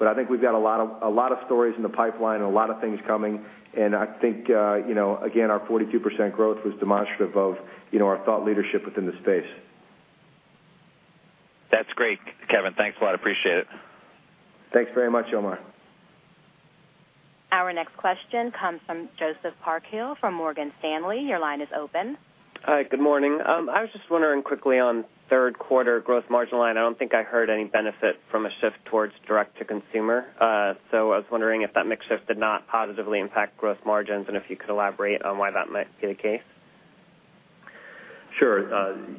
I think we've got a lot of stories in the pipeline and a lot of things coming. I think, again, our 42% growth was demonstrative of our thought leadership within the space. That's great, Kevin. Thanks a lot. Appreciate it. Thanks very much, Omar. Our next question comes from Joseph Parkhill from Morgan Stanley. Your line is open. Good morning. I was just wondering quickly on third quarter gross margin line. I don't think I heard any benefit from a shift towards direct-to-consumer. I was wondering if that mix shift did not positively impact gross margins and if you could elaborate on why that might be the case. Sure. To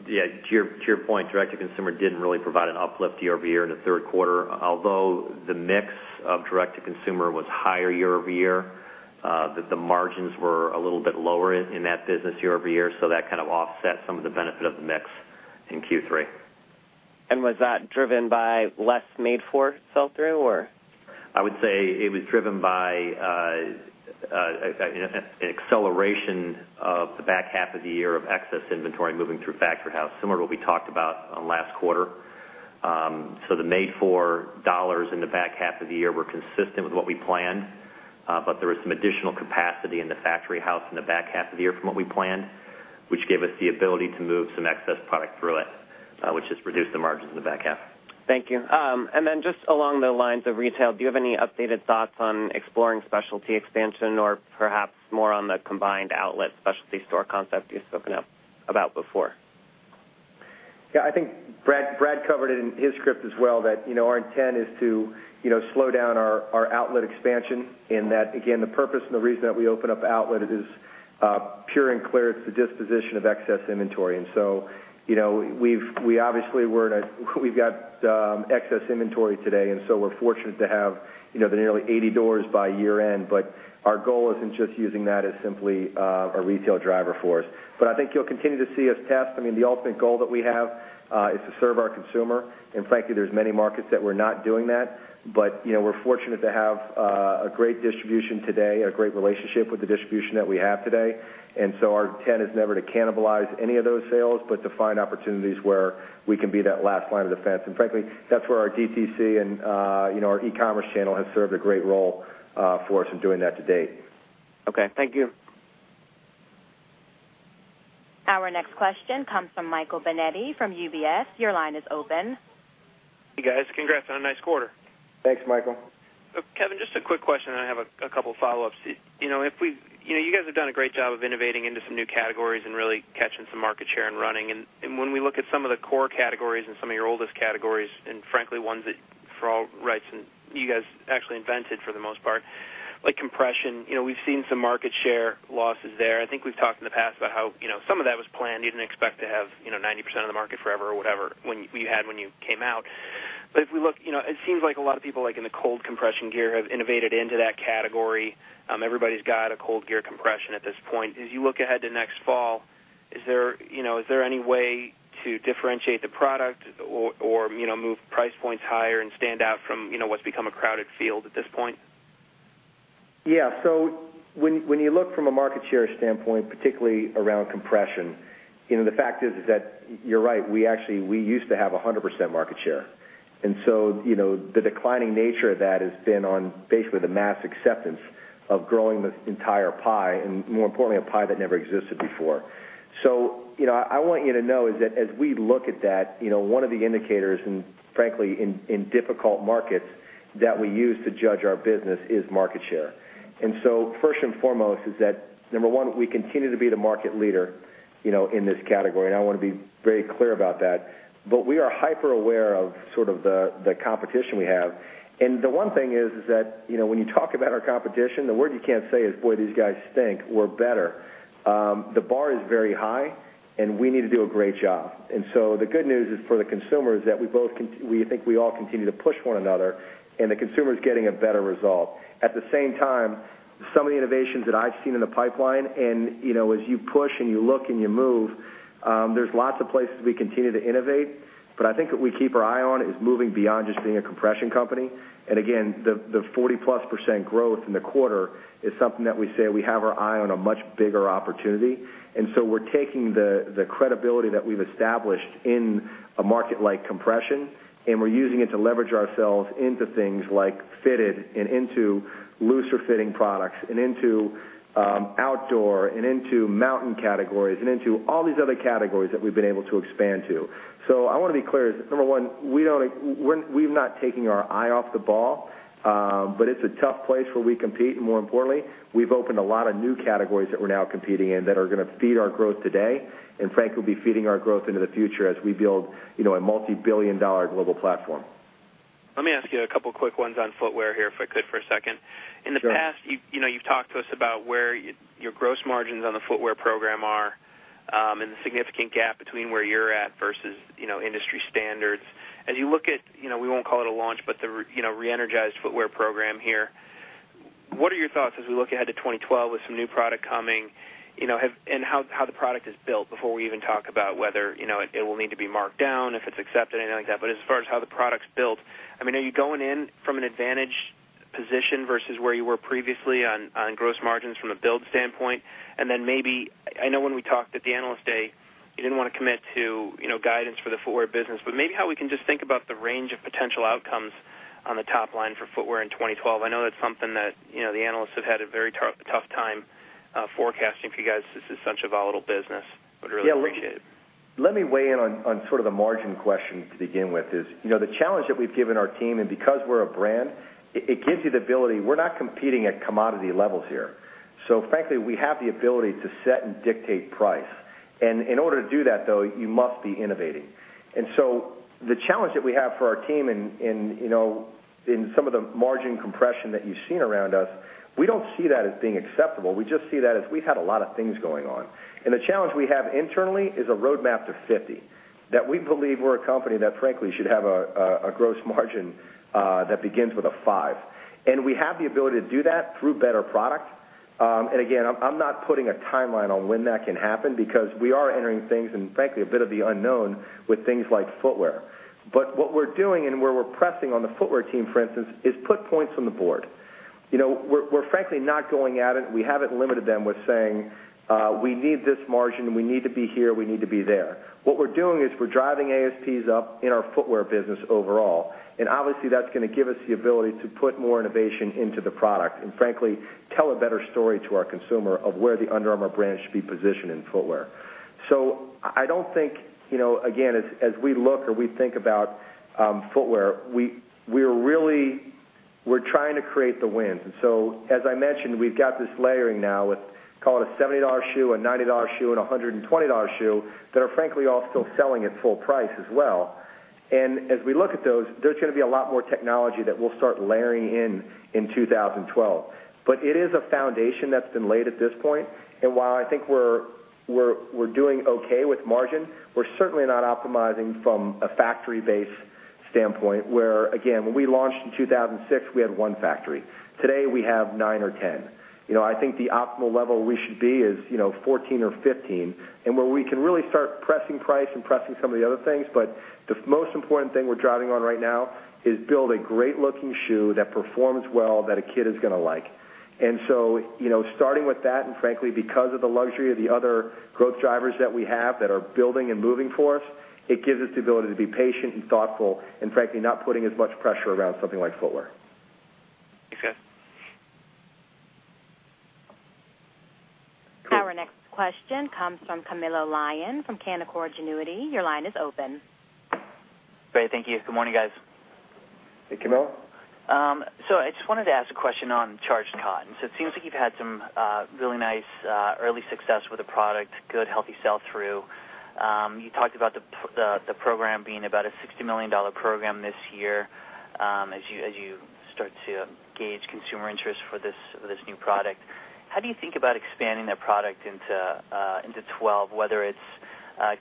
your point, direct-to-consumer didn't really provide an uplift year-over-year in the third quarter. Although the mix of direct-to-consumer was higher year-over-year, the margins were a little bit lower in that business year-over-year. That kind of offset some of the benefit of the mix in Q3. Was that driven by less made-for sell-through, or? I would say it was driven by an acceleration of the back half of the year of excess inventory moving through factory house, similar to what we talked about last quarter. The made-for dollars in the back half of the year were consistent with what we planned, but there was some additional capacity in factory house in the back half of the year from what we planned, which gave us the ability to move some excess product through it, which just reduced the margins in the back half. Thank you. Just along the lines of retail, do you have any updated thoughts on exploring specialty expansion or perhaps more on the combined outlet specialty store concept you've spoken about before? Yeah. I think Brad covered it in his script as well, that our intent is to slow down our outlet expansion in that, again, the purpose and the reason that we open up outlet is pure and clear. It's the disposition of excess inventory. We obviously were in a we've got excess inventory today. We're fortunate to have the nearly 80 doors by year end. Our goal isn't just using that as simply a retail driver for us. I think you'll continue to see us test. The ultimate goal that we have is to serve our consumer. Frankly, there's many markets that we're not doing that. We're fortunate to have a great distribution today, a great relationship with the distribution that we have today. Our intent is never to cannibalize any of those sales, but to find opportunities where we can be that last line of defense. Frankly, that's where our DTC and our e-commerce channel has served a great role for us in doing that to date. OK. Thank you. Our next question comes from Michael Benetti from UBS. Your line is open. Hey, guys. Congrats on a nice quarter. Thanks, Michael. Kevin, just a quick question. I have a couple of follow-ups. You guys have done a great job of innovating into some new categories and really catching some market share in running. When we look at some of the core categories and some of your oldest categories, and frankly, ones that for all rights you guys actually invented for the most part, like compression, we've seen some market share losses there. I think we've talked in the past about how some of that was planned. You didn't expect to have 90% of the market forever or whatever you had when you came out. If we look, it seems like a lot of people in the cold compression gear have innovated into that category. Everybody's got a cold gear compression at this point. As you look ahead to next fall, is there any way to differentiate the product or move price points higher and stand out from what's become a crowded field at this point? Yeah. When you look from a market share standpoint, particularly around compression, the fact is that you're right. We used to have 100% market share. The declining nature of that has been on basically the mass acceptance of growing this entire pie, and more importantly, a pie that never existed before. What I want you to know is that as we look at that, one of the indicators, and frankly, in difficult markets that we use to judge our business is market share. First and foremost is that, number one, we continue to be the market leader in this category. I want to be very clear about that. We are hyper-aware of sort of the competition we have. The one thing is that when you talk about our competition, the word you can't say is, boy, these guys stink. We're better. The bar is very high. We need to do a great job. The good news is for the consumers that we think we all continue to push one another. The consumer is getting a better result. At the same time, some of the innovations that I've seen in the pipeline, and as you push and you look and you move, there's lots of places we continue to innovate. I think what we keep our eye on is moving beyond just being a compression company. The 40%+ growth in the quarter is something that we say we have our eye on a much bigger opportunity. We're taking the credibility that we've established in a market like compression, and we're using it to leverage ourselves into things like fitted and into looser fitting products and into outdoor and into mountain categories and into all these other categories that we've been able to expand to. I want to be clear. Number one, we're not taking our eye off the ball. It's a tough place where we compete. More importantly, we've opened a lot of new categories that we're now competing in that are going to feed our growth today. Frankly, we'll be feeding our growth into the future as we build a multibillion dollar global platform. Let me ask you a couple of quick ones on footwear here if I could for a second. In the past, you've talked to us about where your gross margins on the footwear program are and the significant gap between where you're at versus industry standards. As you look at, we won't call it a launch, but the re-energized footwear program here, what are your thoughts as we look ahead to 2012 with some new product coming and how the product is built before we even talk about whether it will need to be marked down, if it's accepted, anything like that? As far as how the product's built, I mean, are you going in from an advantage position versus where you were previously on gross margins from a build standpoint? I know when we talked at the analyst day, you didn't want to commit to guidance for the footwear business. Maybe how we can just think about the range of potential outcomes on the top line for footwear in 2012. I know that's something that the analysts have had a very tough time forecasting for you guys. This is such a volatile business. I would really appreciate it. Yeah. Let me weigh in on sort of a margin question to begin with. The challenge that we've given our team, and because we're a brand, it gives you the ability we're not competing at commodity levels here. Frankly, we have the ability to set and dictate price. In order to do that, though, you must be innovating. The challenge that we have for our team in some of the margin compression that you've seen around us, we don't see that as being acceptable. We just see that as we've had a lot of things going on. The challenge we have internally is a roadmap to 50%, that we believe we're a company that frankly should have a gross margin that begins with a 5%. We have the ability to do that through better product. Again, I'm not putting a timeline on when that can happen because we are entering things and frankly a bit of the unknown with things like footwear. What we're doing and where we're pressing on the footwear team, for instance, is put points on the board. We're frankly not going at it. We haven't limited them with saying, we need this margin. We need to be here. We need to be there. What we're doing is we're driving ASPs up in our footwear business overall. Obviously, that's going to give us the ability to put more innovation into the product and frankly tell a better story to our consumer of where the Under Armour brand should be positioned in footwear. I don't think, again, as we look or we think about footwear, we're really trying to create the wins. As I mentioned, we've got this layering now with call it a $70 shoe, a $90 shoe, and a $120 shoe that are frankly all still selling at full price as well. As we look at those, there's going to be a lot more technology that we'll start layering in in 2012. It is a foundation that's been laid at this point. While I think we're doing OK with margin, we're certainly not optimizing from a factory-based standpoint where, again, when we launched in 2006, we had one factory. Today, we have nine or 10. I think the optimal level we should be is 14 or 15, and where we can really start pressing price and pressing some of the other things. The most important thing we're driving on right now is build a great-looking shoe that performs well that a kid is going to like. Starting with that, and frankly because of the luxury of the other growth drivers that we have that are building and moving for us, it gives us the ability to be patient and thoughtful and frankly not putting as much pressure around something like footwear. Thanks, guys. Our next question comes from Camilo Lyon from Canaccord Genuity. Your line is open. Great, thank you. Good morning, guys. Hey, Camilo. I just wanted to ask a question on Charged Cotton. It seems like you've had some really nice early success with the product, good, healthy sell-through. You talked about the program being about a $60 million program this year as you start to gauge consumer interest for this new product. How do you think about expanding that product into 2022, whether it's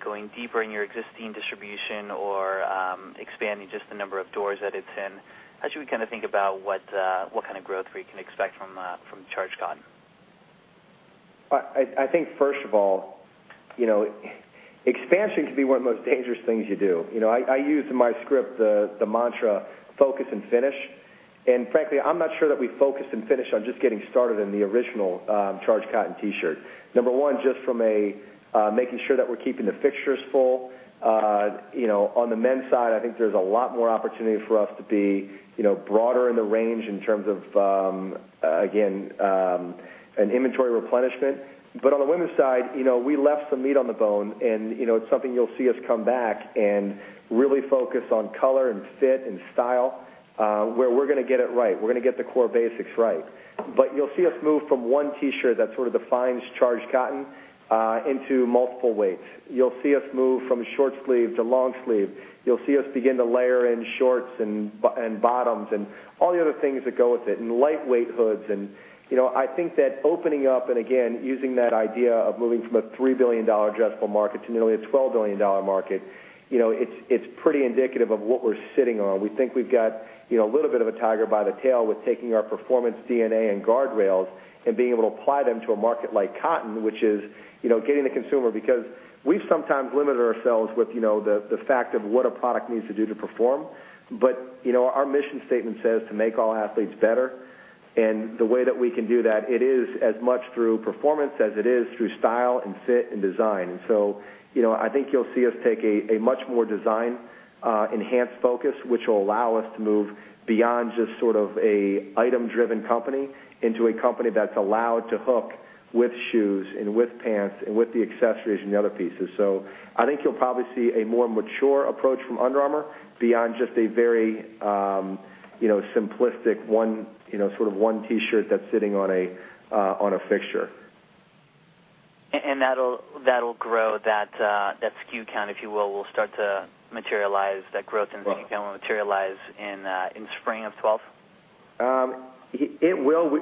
going deeper in your existing distribution or expanding just the number of doors that it's in? How should we kind of think about what kind of growth we can expect from Charged Cotton? I think first of all, expansion can be one of the most dangerous things you do. I use in my script the mantra focus and finish. Frankly, I'm not sure that we focus and finish on just getting started in the original Charged Cotton T-shirt. Number one, just from making sure that we're keeping the fixtures full. On the men's side, I think there's a lot more opportunity for us to be broader in the range in terms of, again, an inventory replenishment. On the women's side, we left some meat on the bone. It's something you'll see us come back and really focus on color and fit and style where we're going to get it right. We're going to get the core basics right. You'll see us move from one T-shirt that sort of defines Charged Cotton into multiple weights. You'll see us move from short sleeve to long sleeve. You'll see us begin to layer in shorts and bottoms and all the other things that go with it, and lightweight hoods. I think that opening up and, again, using that idea of moving from a $3 billion adressable market to nearly a $12 billion market, it's pretty indicative of what we're sitting on. We think we've got a little bit of a tiger by the tail with taking our performance DNA and guardrails and being able to apply them to a market like cotton, which is getting the consumer because we've sometimes limited ourselves with the fact of what a product needs to do to perform. Our mission statement says to make all athletes better. The way that we can do that, it is as much through performance as it is through style and fit and design. I think you'll see us take a much more design-enhanced focus, which will allow us to move beyond just sort of an item-driven company into a company that's allowed to hook with shoes and with pants and with the accessories and the other pieces. I think you'll probably see a more mature approach from Under Armour beyond just a very simplistic sort of one T-shirt that's sitting on a fixture. That'll grow that SKU count, if you will. Will start to materialize that growth and SKU count will materialize in spring of 2012? It will.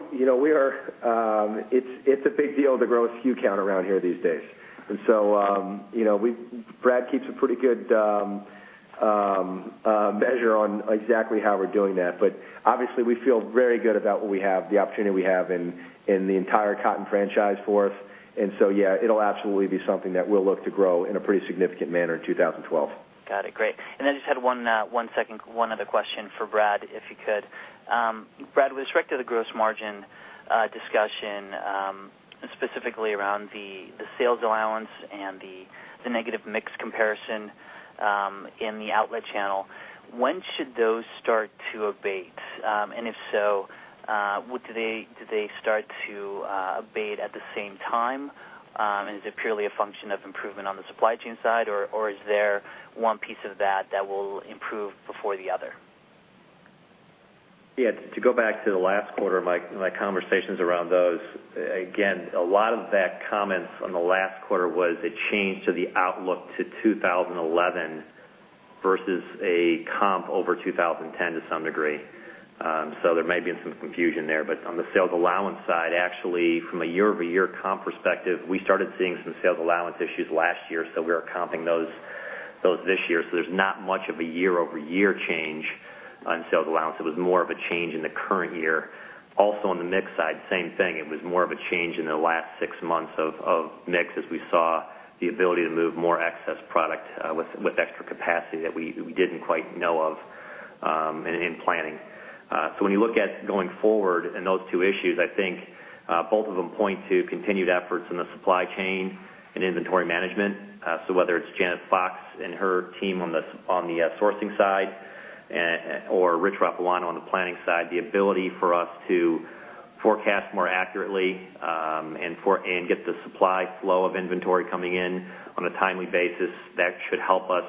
It's a big deal to grow a SKU count around here these days. Brad keeps a pretty good measure on exactly how we're doing that. Obviously, we feel very good about what we have, the opportunity we have in the entire cotton franchise for us. Yeah, it'll absolutely be something that we'll look to grow in a pretty significant manner in 2012. Got it. Great. I just had one other question for Brad if you could. Brad, with respect to the gross margin discussion, specifically around the sales allowance and the negative mix comparison in the outlet channel, when should those start to abate? Do they start to abate at the same time? Is it purely a function of improvement on the supply chain side, or is there one piece of that that will improve before the other? Yeah. To go back to the last quarter and my conversations around those, again, a lot of that comments on the last quarter was a change to the outlook to 2011 versus a comp over 2010 to some degree. There may have been some confusion there. On the sales allowance side, actually, from a year-over-year comp perspective, we started seeing some sales allowance issues last year. We are comping those this year, so there's not much of a year-over-year change in sales allowance. It was more of a change in the current year. Also, on the mix side, same thing. It was more of a change in the last six months of mix as we saw the ability to move more excess product with extra capacity that we didn't quite know of in planning. When you look at going forward in those two issues, I think both of them point to continued efforts in the supply chain and inventory management. Whether it's Janet Fox and her team on the sourcing side or Rich Rapuano on the planning side, the ability for us to forecast more accurately and get the supply flow of inventory coming in on a timely basis should help us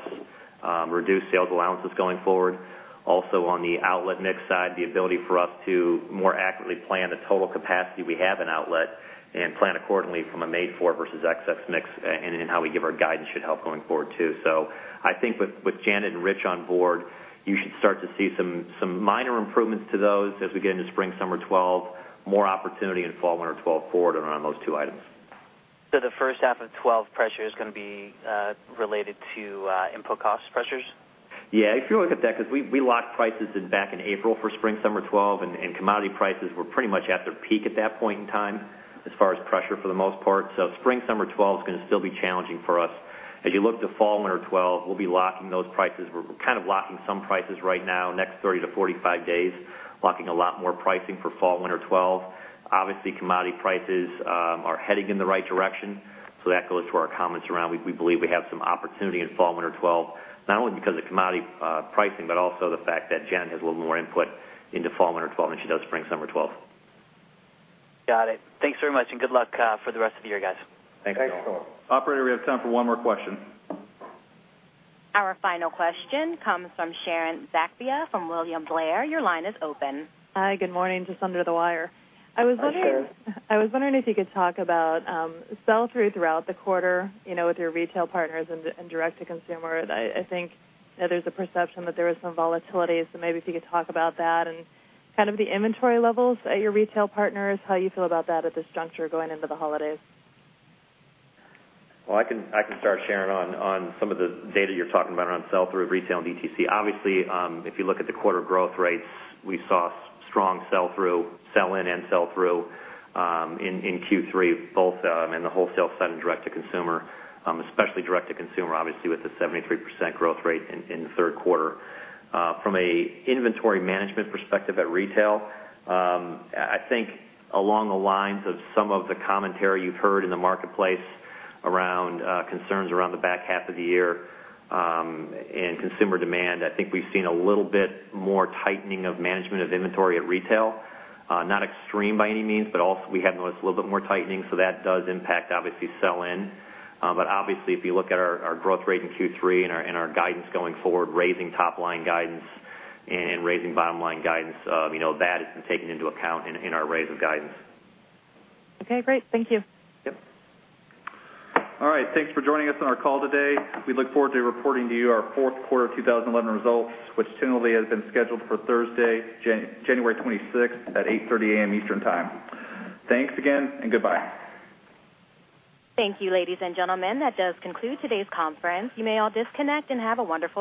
reduce sales allowances going forward. Also, on the outlet mix side, the ability for us to more accurately plan the total capacity we have in outlet and plan accordingly from a made-for versus excess mix and in how we give our guidance should help going forward too. I think with Janet and Rich on board, you should start to see some minor improvements to those as we get into spring, summer 2012, more opportunity in fall, winter 2012 forward on those two items. The first half of 2012 pressure is going to be related to input cost pressures? Yeah. If you look at that, because we locked prices back in April for spring, summer 2012, and commodity prices were pretty much at their peak at that point in time as far as pressure for the most part. Spring, summer 2012 is going to still be challenging for us. As you look to fall, winter 2012, we'll be locking those prices. We're kind of locking some prices right now, next 30 days-45 days, locking a lot more pricing for fall, winter 2012. Obviously, commodity prices are heading in the right direction. That goes to our comments around we believe we have some opportunity in fall, winter 2012, not only because of commodity pricing, but also the fact that Janet has a little more input into fall, winter 2012 than she does spring, summer 2012. Got it. Thanks very much. Good luck for the rest of the year, guys. Thanks so much. Thanks, Omar. Operator, we have time for one more question. Our final question comes from Sharon Zakfia from William Blair. Your line is open. Hi. Good morning. Just under the wire. I was wondering. Sure. I was wondering if you could talk about sell-through throughout the quarter with your retail partners and direct-to-consumer. I think there's a perception that there was some volatility. If you could talk about that and the inventory levels at your retail partners, how you feel about that at this juncture going into the holidays. I can start, Sharon, on some of the data you're talking about around sell-through of retail and DTC. Obviously, if you look at the quarter growth rates, we saw strong sell-through, sell-in, and sell-through in Q3, both in the wholesale side and direct-to-consumer, especially direct-to-consumer, obviously with a 73% growth rate in the third quarter. From an inventory management perspective at retail, I think along the lines of some of the commentary you've heard in the marketplace around concerns around the back half of the year and consumer demand, I think we've seen a little bit more tightening of management of inventory at retail. Not extreme by any means, but also we have noticed a little bit more tightening. That does impact, obviously, sell-in. If you look at our growth rate in Q3 and our guidance going forward, raising top line guidance and raising bottom line guidance, that has been taken into account in our rate of guidance. OK. Great. Thank you. Yep. All right. Thanks for joining us on our call today. We look forward to reporting to you our fourth quarter of 2011 results, which tentatively has been scheduled for Thursday, January 26 at 8:30 A.M. Eastern Time. Thanks again and goodbye. Thank you, ladies and gentlemen. That does conclude today's conference. You may all disconnect and have a wonderful day.